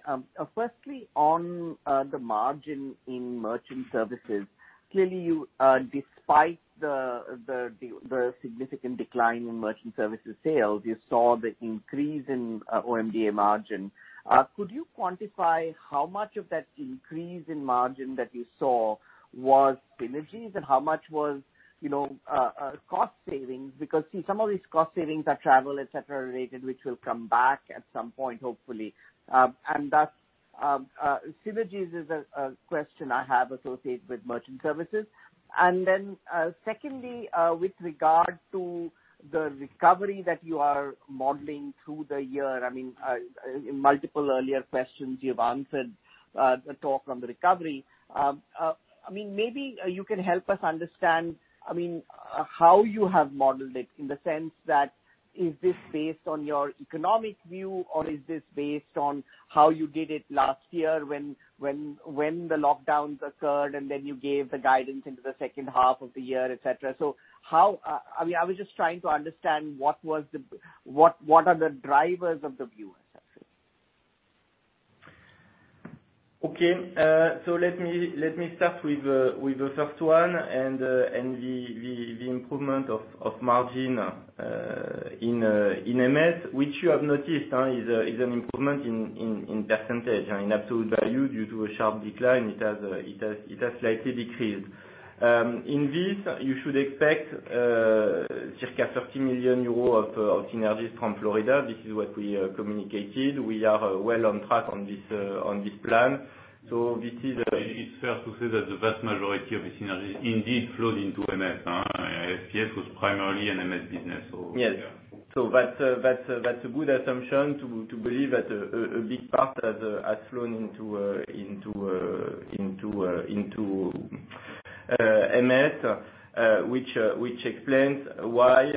Firstly, on the margin in Merchant Services, clearly, you, despite the significant decline in Merchant Services sales, you saw the increase in OMDA margin. Could you quantify how much of that increase in margin that you saw was synergies? And how much was, you know, cost savings? Because, see, some of these cost savings are travel, et cetera, related, which will come back at some point, hopefully. And that synergies is a question I have associated with Merchant Services. And then, secondly, with regard to the recovery that you are modeling through the year, I mean, in multiple earlier questions you've answered the talk on the recovery. I mean, maybe you can help us understand, I mean, how you have modeled it, in the sense that, is this based on your economic view, or is this based on how you did it last year, when the lockdowns occurred, and then you gave the guidance into the second half of the year, et cetera? So how... I mean, I was just trying to understand what are the drivers of the view, et cetera? Okay, so let me start with the first one, and the improvement of margin in MS, which you have noticed, is an improvement in percentage. In absolute value, due to a sharp decline, it has slightly decreased. In this, you should expect circa 30 million euros of synergies from Florida. This is what we communicated. We are well on track on this plan. So this is- It's fair to say that the vast majority of the synergies indeed flowed into MS. FS was primarily an MS business, so- Yes. Yeah. So that's a good assumption, to believe that a big part has flown into MS, which explains why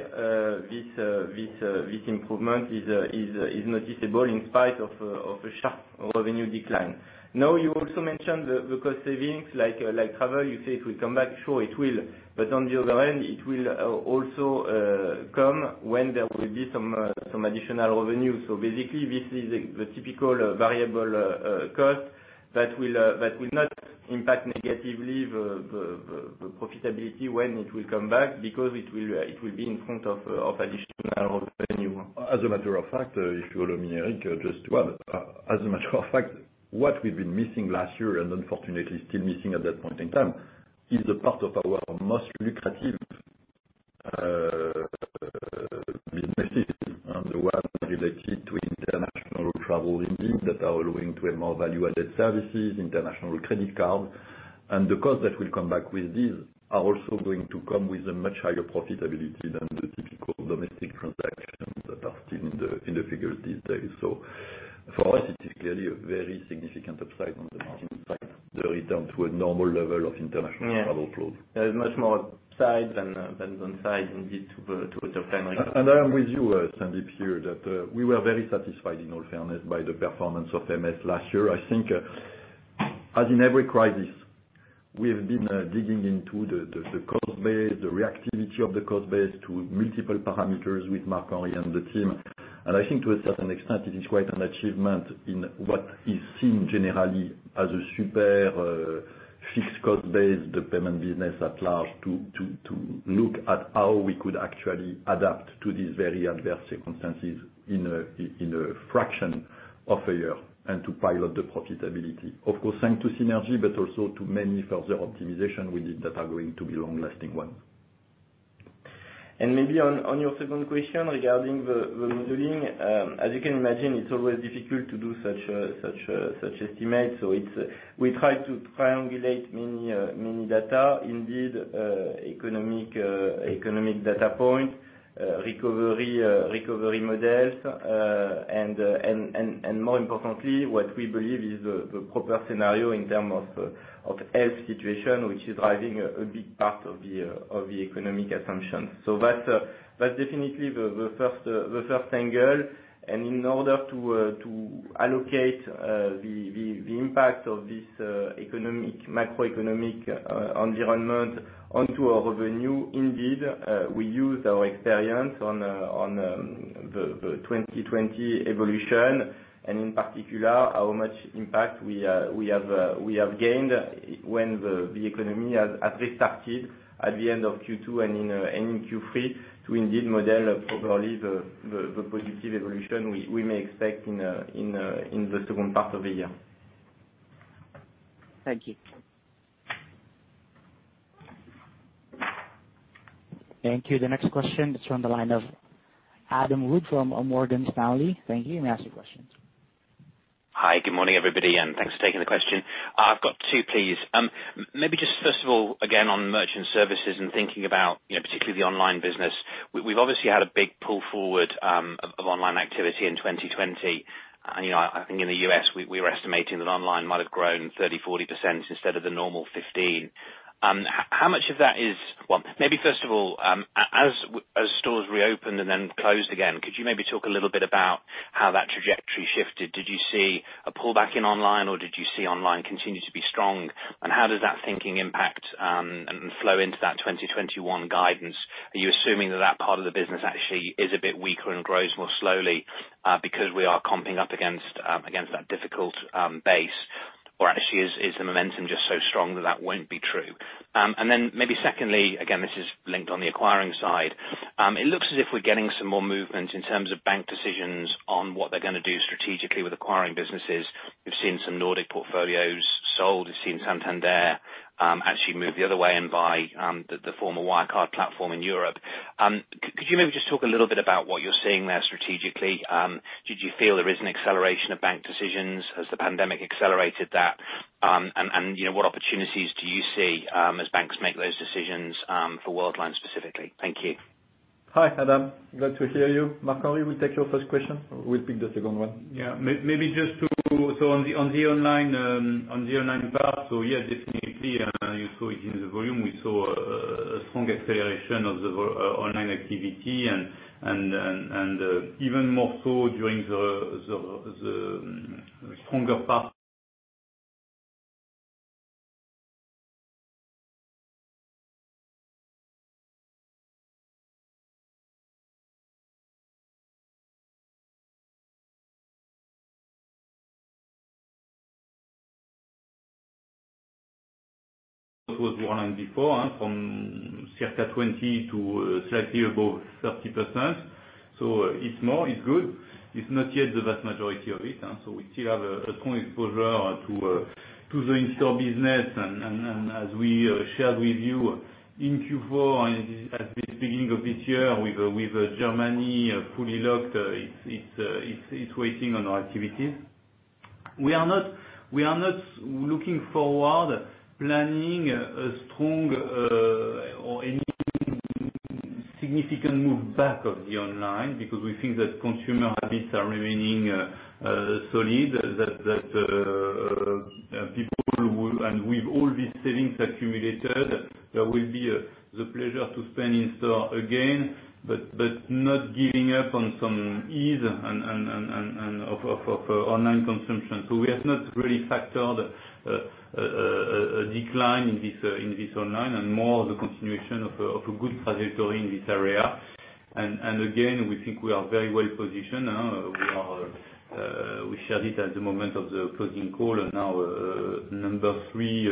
this improvement is noticeable in spite of a sharp revenue decline. Now, you also mentioned the cost savings, like travel. You say it will come back. Sure, it will, but on the other end, it will also come when there will be some additional revenue. So basically, this is the typical variable cost that will not impact negatively the profitability when it will come back, because it will be in front of additional revenue. As a matter of fact, if you will, Eric, just well, as a matter of fact, what we've been missing last year, and unfortunately still missing at that point in time, is the part of our most lucrative businesses, the one related to international travel indeed, that are owing to a more value-added services, international credit card. And the costs that will come back with this, are also going to come with a much higher profitability than the typical domestic transactions that are still in the, in the figures these days. So for us, it is clearly a very significant upside on the margin side, the return to a normal level of international travel flow. Yeah. There is much more upside than downside indeed, to obtain- I am with you, Sandeep, here. That we were very satisfied, in all fairness, by the performance of MS last year. I think, as in every crisis, we have been digging into the cost base, the reactivity of the cost base to multiple parameters with Marc-Henri and the team. And I think to a certain extent, it is quite an achievement in what is seen generally as a super fixed cost base, the payment business at large, to look at how we could actually adapt to these very adverse circumstances in a fraction of a year, and to pilot the profitability. Of course, thanks to synergy, but also to many further optimization we did, that are going to be long-lasting one. Maybe on your second question regarding the modeling, as you can imagine, it's always difficult to do such an estimate, so we try to triangulate many data points, indeed, economic data points, recovery models, and more importantly, what we believe is the proper scenario in terms of health situation, which is driving a big part of the economic assumptions. So that's definitely the first angle. And in order to to allocate the the the impact of this economic macroeconomic environment onto our revenue, indeed, we use our experience on on the the 2020 evolution, and in particular, how much impact we we have we have gained when the the economy has at least started at the end of Q2 and in and in Q3, to indeed model properly the the the positive evolution we we may expect in in in the second part of the year. Thank you. Thank you. The next question is from the line of Adam Wood from Morgan Stanley. Thank you. You may ask your questions. Hi, good morning, everybody, and thanks for taking the question. I've got two, please. Maybe just first of all, again, on merchant services and thinking about, you know, particularly the online business, we've obviously had a big pull forward of online activity in 2020. And, you know, I think in the U.S., we were estimating that online might have grown 30%-40% instead of the normal 15%. How much of that is... Well, maybe first of all, as stores reopened and then closed again, could you maybe talk a little bit about how that trajectory shifted? Did you see a pullback in online, or did you see online continue to be strong? And how does that thinking impact and flow into that 2021 guidance? Are you assuming that that part of the business actually is a bit weaker and grows more slowly, because we are coming up against against that difficult base? Or actually, is the momentum just so strong that that won't be true? And then maybe secondly, again, this is linked on the acquiring side, it looks as if we're getting some more movement in terms of bank decisions on what they're gonna do strategically with acquiring businesses. We've seen some Nordic portfolios sold. We've seen Santander actually move the other way and buy the former Wirecard platform in Europe. Could you maybe just talk a little bit about what you're seeing there strategically? Did you feel there is an acceleration of bank decisions? Has the pandemic accelerated that? you know, what opportunities do you see as banks make those decisions for Worldline specifically? Thank you. Hi, Adam. Glad to hear you. Marc-Henri Desportes will take your first question. We'll pick the second one. Yeah. Maybe just to, so on the online part, so yeah, definitely, you saw it in the volume. We saw a strong acceleration of the online activity and even more so during the stronger part- was growing before from circa 20 to slightly above 30%. So it's more, it's good. It's not yet the vast majority of it, so we still have a strong exposure to the in-store business. And as we shared with you in Q4, and at this beginning of this year, with Germany fully locked, it's waiting on our activities. We are not, we are not looking forward, planning a strong or any significant move back of the online, because we think that consumer habits are remaining solid. That, that, people and with all these savings accumulated, there will be the pleasure to spend in-store again, but not giving up on some ease and of online consumption. So we have not really factored a decline in this, in this online, and more of the continuation of a good trajectory in this area. And again, we think we are very well positioned, we are. We shared it at the moment of the closing call, and now, number three,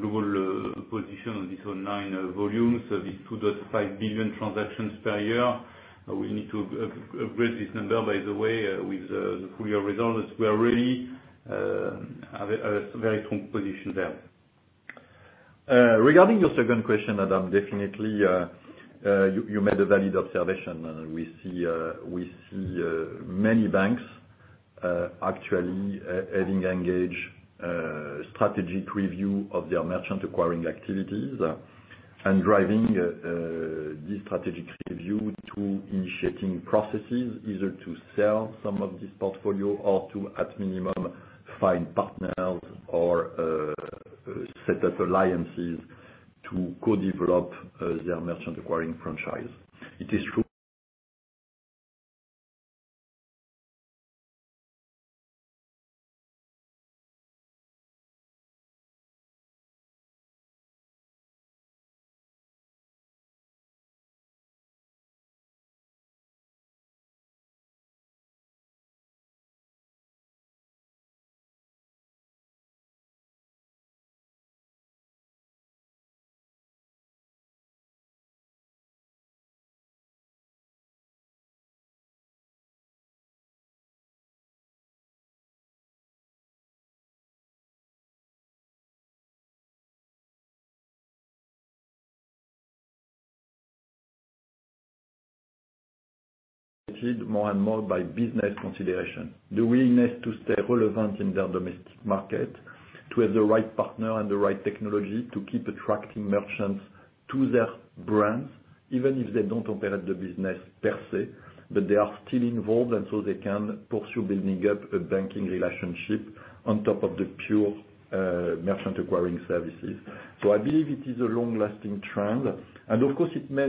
global position on this online volume, so this 2.5 billion transactions per year. We need to upgrade this number, by the way, with the full year results. We are really have a very strong position there. Regarding your second question, Adam, definitely, you made a valid observation, and we see we see many banks actually having engaged strategic review of their merchant acquiring activities, and driving this strategic review to initiating processes, either to sell some of this portfolio or to, at minimum, find partners or set up alliances to co-develop their merchant acquiring franchise. It is true-... more and more by business consideration, the willingness to stay relevant in their domestic market, to have the right partner and the right technology to keep attracting merchants to their brands, even if they don't operate the business per se, but they are still involved, and so they can pursue building up a banking relationship on top of the pure, merchant acquiring services. So I believe it is a long-lasting trend. And of course, it may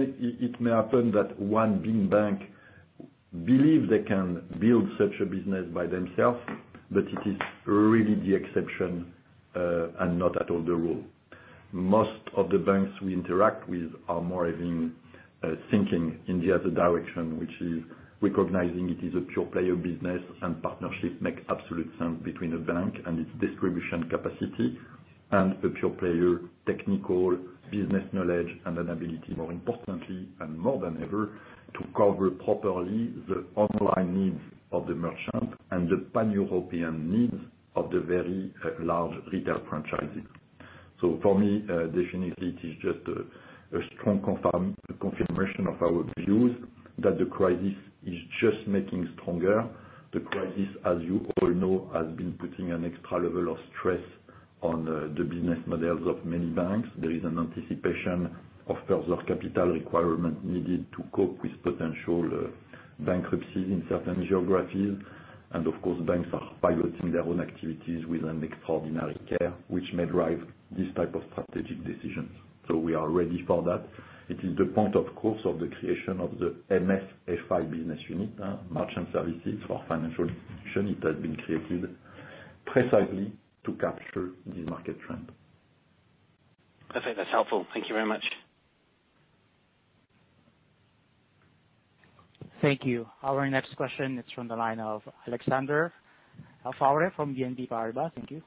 happen that one big bank believe they can build such a business by themselves, but it is really the exception, and not at all the rule. Most of the banks we interact with are more even thinking in the other direction, which is recognizing it is a pure player business, and partnership make absolute sense between a bank and its distribution capacity, and a pure player, technical business knowledge, and an ability, more importantly, and more than ever, to cover properly the online needs of the merchant and the pan-European needs of the very large retail franchising. So for me, definitely it is just a strong confirmation of our views, that the crisis is just making stronger. The crisis, as you all know, has been putting an extra level of stress on the business models of many banks. There is an anticipation of further capital requirement needed to cope with potential bankruptcies in certain geographies. Of course, banks are piloting their own activities with an extraordinary care, which may drive this type of strategic decisions. So we are ready for that. It is the point, of course, of the creation of the MS FI business unit, Merchant Services for Financial Institution. It has been created precisely to capture this market trend. Perfectly, that's helpful. Thank you very much. Thank you. Our next question is from the line of Alexander Faure from BNP Paribas. Thank you.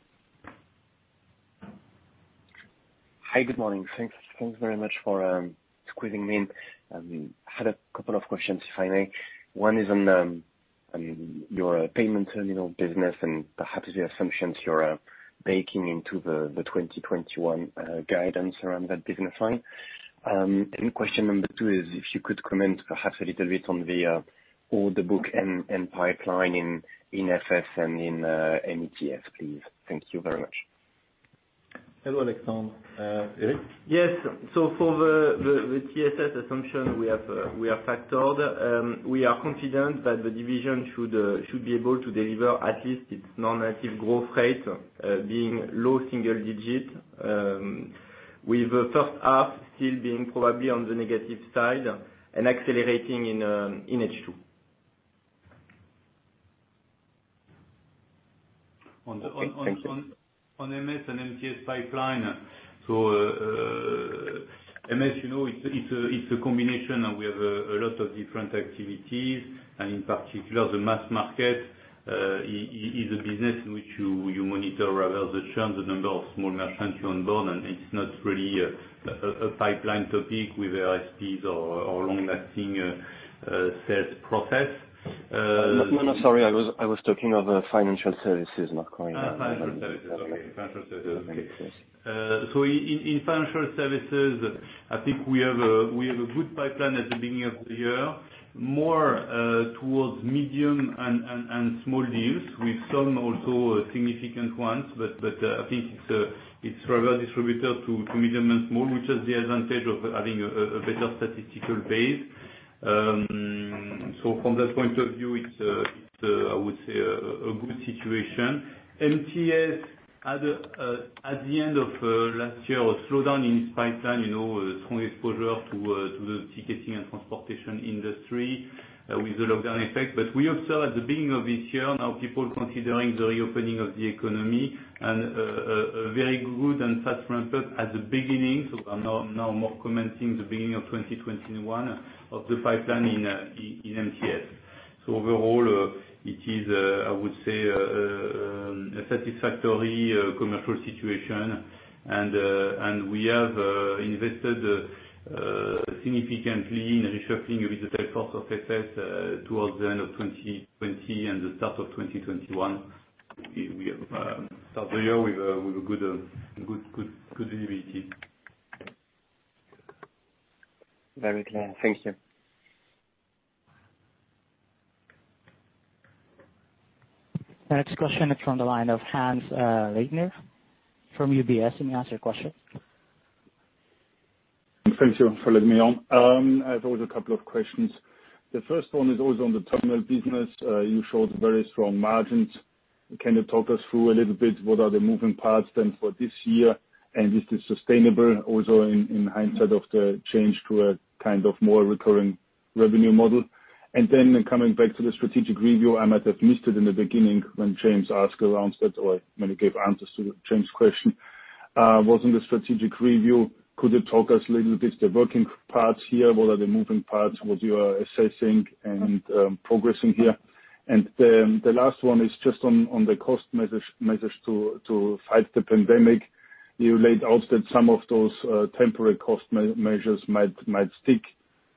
Hi, good morning. Thanks, thanks very much for squeezing me in. Had a couple of questions, if I may. One is on, I mean, your payment terminal business, and perhaps the assumptions you're baking into the 2021 guidance around that business line. Question number two is, if you could comment perhaps a little bit on the order book and pipeline in TSS and in MTS, please. Thank you very much. Hello, Alexander. Eric? Yes. So for the TSS assumption, we have factored. We are confident that the division should be able to deliver at least its non-negative growth rate, being low single digit, with the first half still being probably on the negative side and accelerating in H2. [Okay. Thank you]. On MS and MTS pipeline, so MS, you know, it's a combination, and we have a lot of different activities. And in particular, the mass market is a business in which you monitor rather the churn, the number of small merchants you onboard, and it's not really a pipeline topic with ISVs or long-lasting sales process. No, no, sorry. I was, I was talking of, financial services, not current- Ah, financial services. Okay. Financial service So in Financial Services, I think we have a good pipeline at the beginning of the year, more towards medium and small deals, with some also significant ones. But I think it's rather distributed to medium and small, which has the advantage of having a better statistical base. So from that point of view, it's a, I would say, a good situation. MTS, at the end of last year, was slowdown in its pipeline, you know, strong exposure to the ticketing and transportation industry, with the lockdown effect. But we observed at the beginning of this year, now people considering the reopening of the economy, and a very good and fast ramp-up at the beginning. So we are now more commenting the beginning of 2021 of the pipeline in MTS. So overall, it is, I would say, a satisfactory commercial situation. We have invested significantly in reshuffling the sales force of TSS towards the end of 2020 and the start of 2021. We start the year with a good energy. Very clear. Thank you. Next question is from the line of Hannes Leitner from UBS. You may ask your question. Thank you for letting me on. I have also a couple of questions. The first one is also on the terminal business. You showed very strong margins. Can you talk us through a little bit what are the moving parts then for this year? And is this sustainable also in hindsight of the change to a kind of more recurring revenue model? And then coming back to the strategic review, I might have missed it in the beginning, when James asked around that, or when he gave answers to James' question. Was in the strategic review, could you talk us a little bit the working parts here? What are the moving parts, what you are assessing and progressing here? And then the last one is just on the cost measures to fight the pandemic. You laid out that some of those temporary cost measures might stick.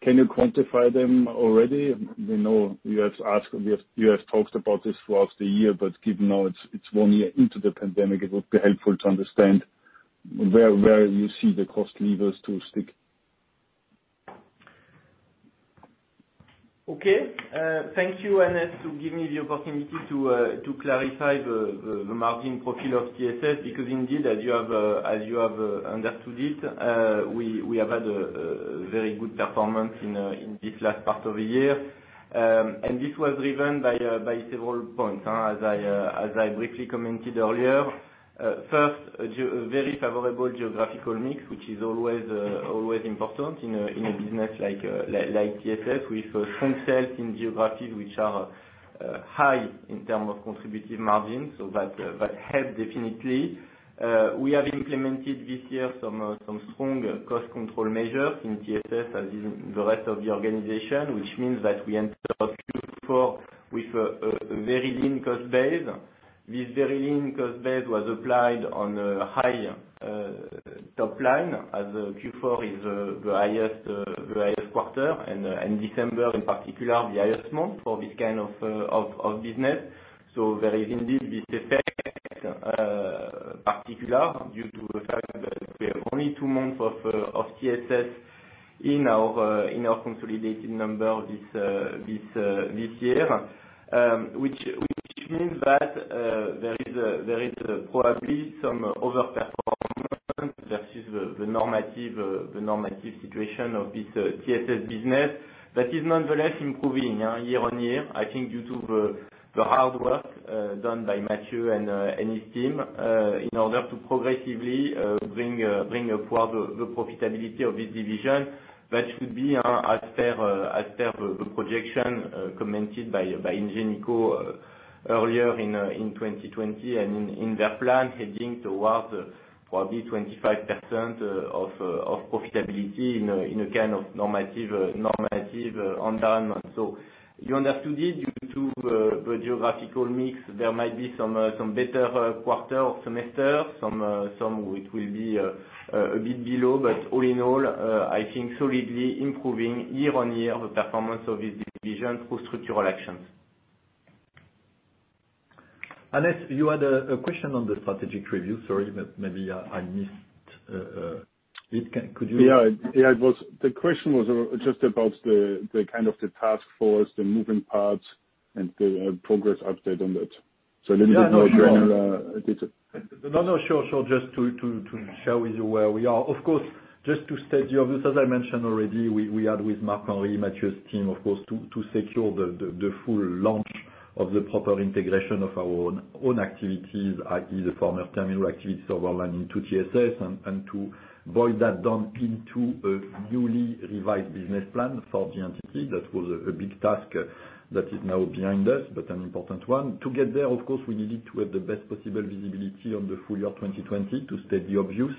Can you quantify them already? We know you have talked about this throughout the year, but given now it's one year into the pandemic, it would be helpful to understand where you see the cost levers to stick. Okay. Thank you, Hannes, to give me the opportunity to clarify the margin profile of TSS. Because indeed, as you have understood it, we have had a very good performance in this last part of the year. And this was driven by several points, as I briefly commented earlier. First, a very favorable geographical mix, which is always important in a business like TSS, with strong sales in geographies which are high in terms of contributive margins. So that helped definitely. We have implemented this year some strong cost control measures in TSS, as in the rest of the organization, which means that we entered Q4 with a very lean cost base. This very lean cost base was applied on a high top line, as Q4 is the highest quarter, and December in particular, the highest month for this kind of business. So there is indeed this effect particular due to the fact that we have only two months of TSS in our consolidated number this year. Which means that there is probably some overperformance versus the normative situation of this TSS business. That is nonetheless improving year-on-year, I think due to the hard work done by Matthieu and his team in order to progressively bring upward the profitability of this division. That should be as per the projection commented by Ingenico earlier in 2020, and in their plan, heading towards probably 25% of profitability in a kind of normative environment. So you understood it, due to the geographical mix, there might be some better quarter or semester. Some it will be a bit below. But all in all, I think solidly improving year-on-year, the performance of this division through structural actions. Hannes, you had a question on the strategic review. Sorry, but maybe I missed it. Can, could you- Yeah. Yeah, it was... The question was just about the, the kind of, the task force, the moving parts, and the, progress update on that. So a little bit more general detail. No, no. Sure, sure. Just to share with you where we are. Of course, just to state the obvious, as I mentioned already, we are with Marc-Henri, Matthieu team, of course, to secure the full launch of the proper integration of our own activities, i.e., the former terminal activities Worldline into TSS, and to boil that down into a newly revised business plan for the entity. That was a big task that is now behind us, but an important one. To get there, of course, we needed to have the best possible visibility on the full year 2020 to state the obvious,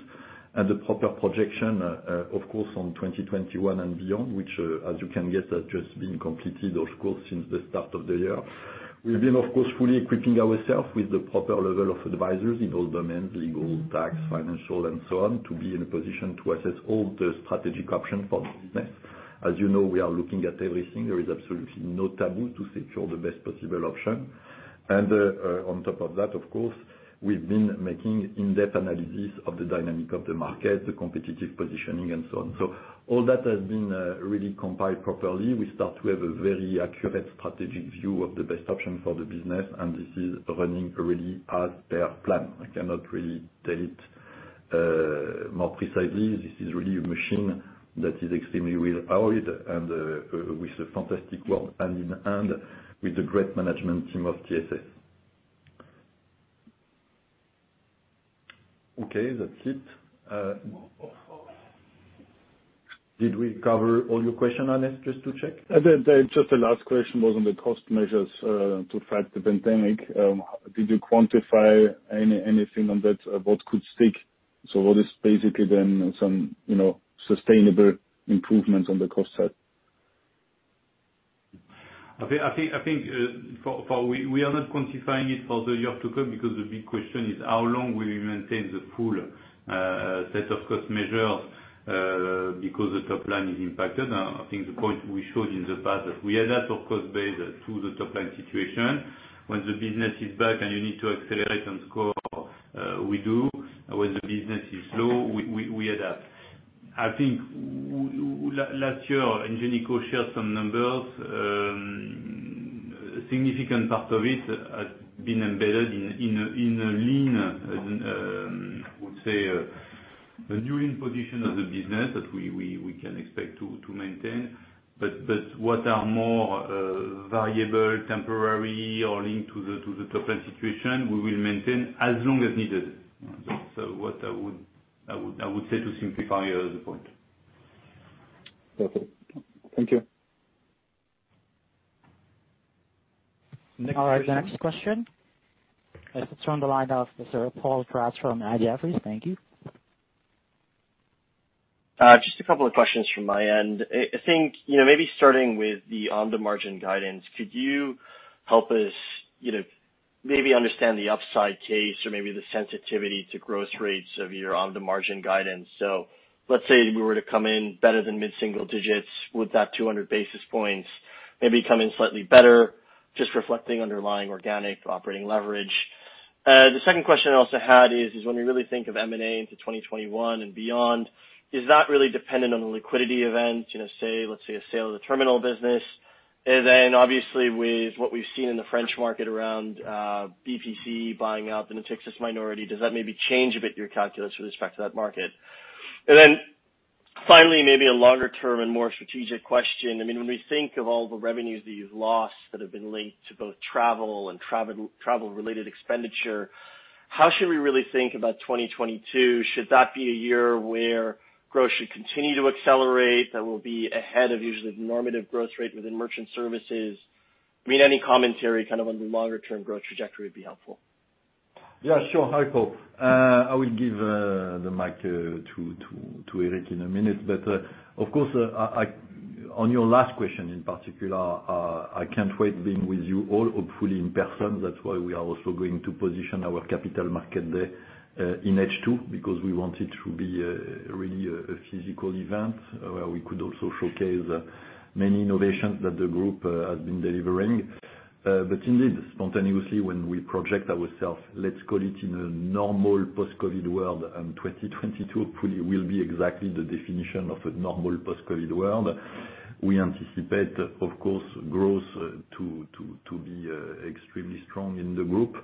and the proper projection, of course, on 2021 and beyond, which, as you can guess, has just been completed, of course, since the start of the year. We've been, of course, fully equipping ourselves with the proper level of advisors in all domains, legal, tax, financial, and so on, to be in a position to assess all the strategic options for business. As you know, we are looking at everything. There is absolutely no taboo to secure the best possible option. And, on top of that, of course, we've been making in-depth analysis of the dynamic of the market, the competitive positioning, and so on. So all that has been really compiled properly. We start to have a very accurate strategic view of the best option for the business, and this is running really as per plan. I cannot really tell it more precisely. This is really a machine that is extremely well-powered and, with a fantastic work, hand in hand, with the great management team of TSS. Okay, that's it. Did we cover all your question, Hannes? Just to check. Just the last question was on the cost measures to fight the pandemic. Did you quantify anything on that, what could stick? So what is basically then some, you know, sustainable improvements on the cost side? I think we are not quantifying it for the year to come, because the big question is: How long will we maintain the full set of cost measures because the top line is impacted? I think the point we showed in the past, we adapt our cost base to the top line situation. When the business is back and you need to accelerate and score, we do. When the business is low, we adapt. I think last year, Ingenico shared some numbers. A significant part of it has been embedded in a lean, I would say, a new lean position of the business, that we can expect to maintain. But what are more variable, temporary, or linked to the top line situation, we will maintain as long as needed. So what I would- ... I would say to simplify your point. Perfect. Thank you. All right, next question. Let's turn the line now to Paul Kratz from Jefferies. Thank you. Just a couple of questions from my end. I think, you know, maybe starting with the on-demand margin guidance, could you help us, you know, maybe understand the upside case or maybe the sensitivity to growth rates of your on-demand margin guidance? So let's say if you were to come in better than mid-single digits, would that 200 basis points maybe come in slightly better, just reflecting underlying organic operating leverage? The second question I also had is, when we really think of M&A into 2021 and beyond, is that really dependent on the liquidity event, you know, say, let's say, a sale of the terminal business? And then obviously, with what we've seen in the French market around, BPCE buying up in a Natixis minority, does that maybe change a bit your calculus with respect to that market? And then finally, maybe a longer-term and more strategic question. I mean, when we think of all the revenues that you've lost that have been linked to both travel and travel, travel-related expenditure, how should we really think about 2022? Should that be a year where growth should continue to accelerate, that will be ahead of usually the normative growth rate within merchant services? I mean, any commentary kind of on the longer-term growth trajectory would be helpful. Yeah, sure. Hi, Paul. I will give the mic to Eric in a minute. But, of course, on your last question in particular, I can't wait being with you all, hopefully in person. That's why we are also going to position our capital market day in H2, because we want it to be really a physical event, where we could also showcase many innovations that the group has been delivering. But indeed, spontaneously, when we project ourselves, let's call it in a normal post-COVID world, and 2022 hopefully will be exactly the definition of a normal post-COVID world. We anticipate, of course, growth to be extremely strong in the group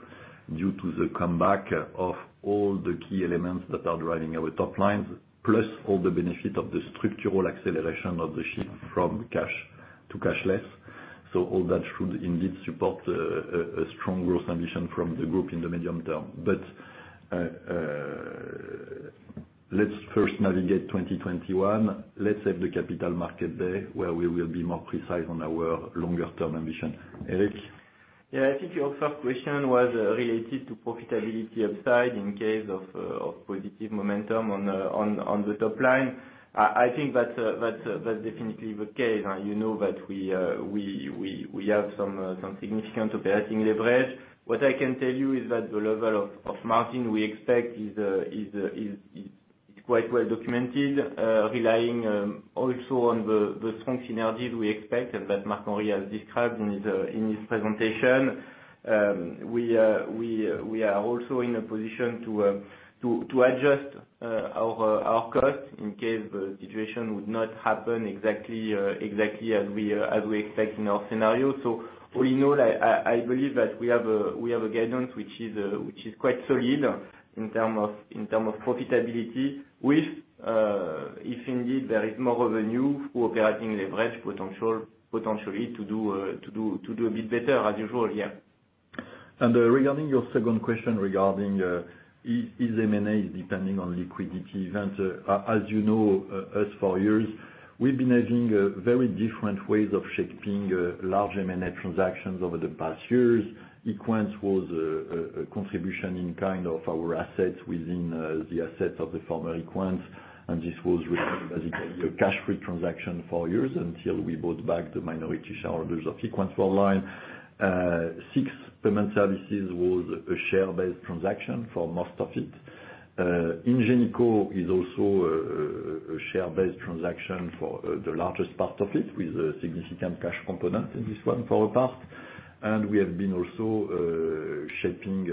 due to the comeback of all the key elements that are driving our top line, plus all the benefit of the structural acceleration of the shift from cash to cashless. So all that should indeed support a strong growth ambition from the group in the medium term. But let's first navigate 2021. Let's have the capital market day, where we will be more precise on our longer-term ambition. Eric? Yeah, I think your first question was related to profitability upside in case of positive momentum on the top line. I think that's definitely the case. You know that we have some significant operating leverage. What I can tell you is that the level of margin we expect is quite well documented, relying also on the strong synergies we expect, that Marc-Henri has described in his presentation. We are also in a position to adjust our costs in case the situation would not happen exactly as we expect in our scenario. So we know that... I believe that we have a guidance which is quite solid in terms of profitability, with if indeed there is more revenue for operating leverage, potentially to do a bit better as usual, yeah. Regarding your second question regarding is M&A depending on liquidity event, as you know, as for years, we've been having very different ways of shaping large M&A transactions over the past years. Equens was a contribution in kind of our assets within the assets of the former Equens, and this was basically a cash-free transaction for years until we bought back the minority shareholders of equensWorldline. SIX Payment Services was a share-based transaction for most of it. Ingenico is also a share-based transaction for the largest part of it, with a significant cash component in this one for our part. And we have been also shaping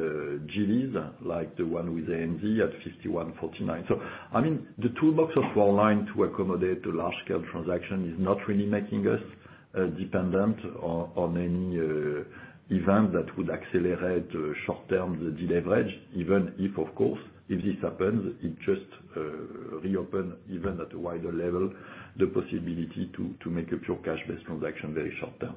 JVs, like the one with ANZ at 51-49. So, I mean, the toolbox of Worldline to accommodate a large-scale transaction is not really making us dependent on any event that would accelerate short-term de-leverage, even if, of course, if this happens, it just reopen, even at a wider level, the possibility to make a pure cash-based transaction very short term.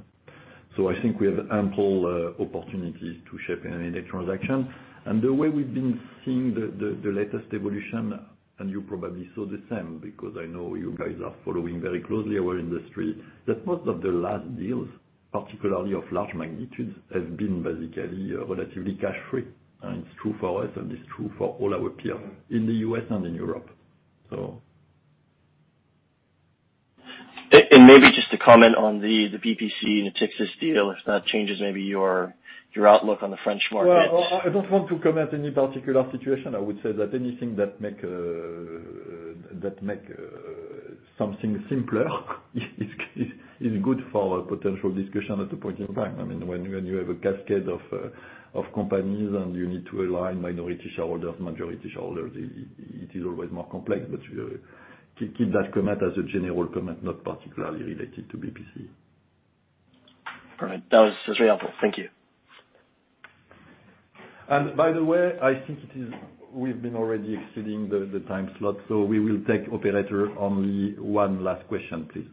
So I think we have ample opportunities to shape any transaction. And the way we've been seeing the latest evolution, and you probably saw the same, because I know you guys are following very closely our industry, that most of the last deals, particularly of large magnitudes, have been basically relatively cash-free. And it's true for us, and it's true for all our peers in the US and in Europe, so. And maybe just to comment on the BPCE, and it takes this deal, if that changes maybe your outlook on the French market. Well, I don't want to comment on any particular situation. I would say that anything that makes something simpler is good for potential discussion at a point in time. I mean, when you have a cascade of companies, and you need to align minority shareholders, majority shareholders, it is always more complex. But keep that comment as a general comment, not particularly related to BPCE. Perfect. That was, that's very helpful. Thank you. And by the way, I think it is. We've been already exceeding the time slot, so we will take operator only one last question, please....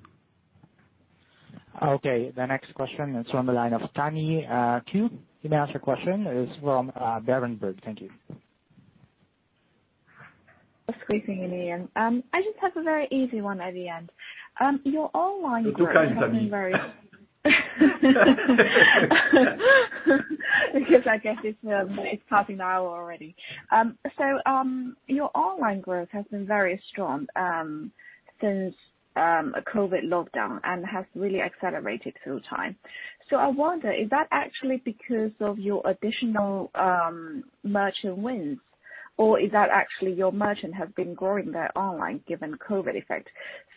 Okay, the next question is on the line of Tammy Qiu. You may ask your question; [it's] from Berenberg. Thank you. Excuse me... I just have a very easy one at the end. Your online growth- You're kind, Tammy. Because I guess it's, it's passing the hour already. So, your online growth has been very strong, since COVID lockdown, and has really accelerated through time. So I wonder, is that actually because of your additional, merchant wins, or is that actually your merchant has been growing their online, given COVID effect?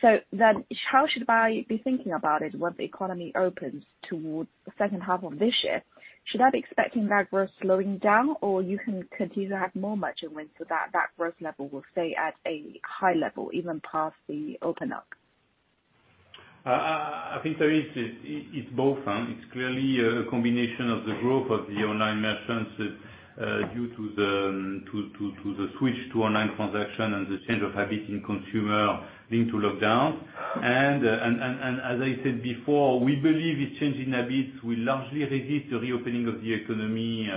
So then how should I be thinking about it once the economy opens towards the second half of this year? Should I be expecting that growth slowing down, or you can continue to have more merchant wins, so that growth level will stay at a high level, even past the open up? I think it's both. It's clearly a combination of the growth of the online merchants due to the switch to online transaction and the change of habit in consumer linked to lockdown. And as I said before, we believe this change in habits will largely resist the reopening of the economy,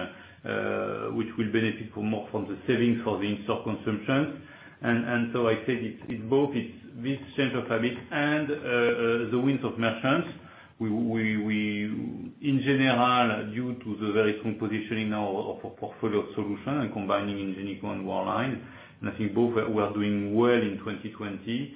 which will benefit more from the saving for the in-store consumption. And so I said, it's both. It's this change of habit and the wins of merchants. In general, due to the very strong positioning now of a portfolio solution and combining Ingenico and Worldline, and I think both were doing well in 2020.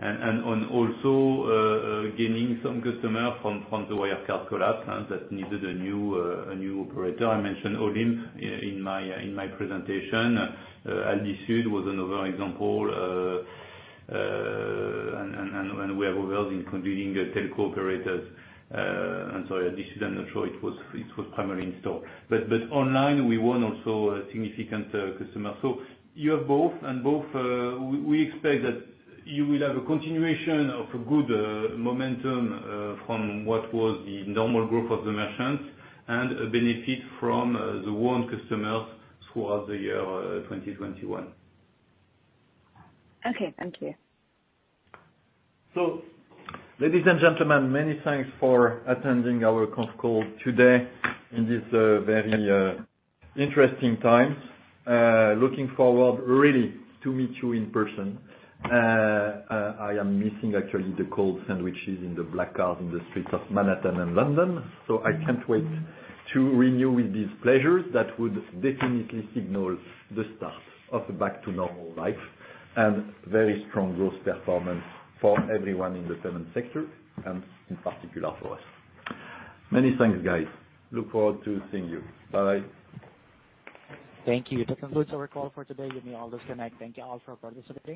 And on also gaining some customer from the Wirecard collapse that needed a new operator. I mentioned Olymp in my presentation. Aldi Süd was another example. And we have revealed in concluding the telco operators. I'm sorry, Aldi Süd, I'm not sure it was primary in store. But online, we won also a significant customer. So you have both, and we expect that you will have a continuation of a good momentum from what was the normal growth of the merchants, and a benefit from the won customers throughout the year 2021. Okay, thank you. So, ladies and gentlemen, many thanks for attending our conf call today in this very interesting times. Looking forward really to meet you in person. I am missing actually the cold sandwiches in the black cars in the streets of Manhattan and London, so I can't wait to renew with these pleasures. That would definitely signal the start of a back to normal life, and very strong growth performance for everyone in the payment sector, and in particular for us. Many thanks, guys. Look forward to seeing you. Bye. Thank you. That concludes our call for today. You may all disconnect. Thank you all for participating.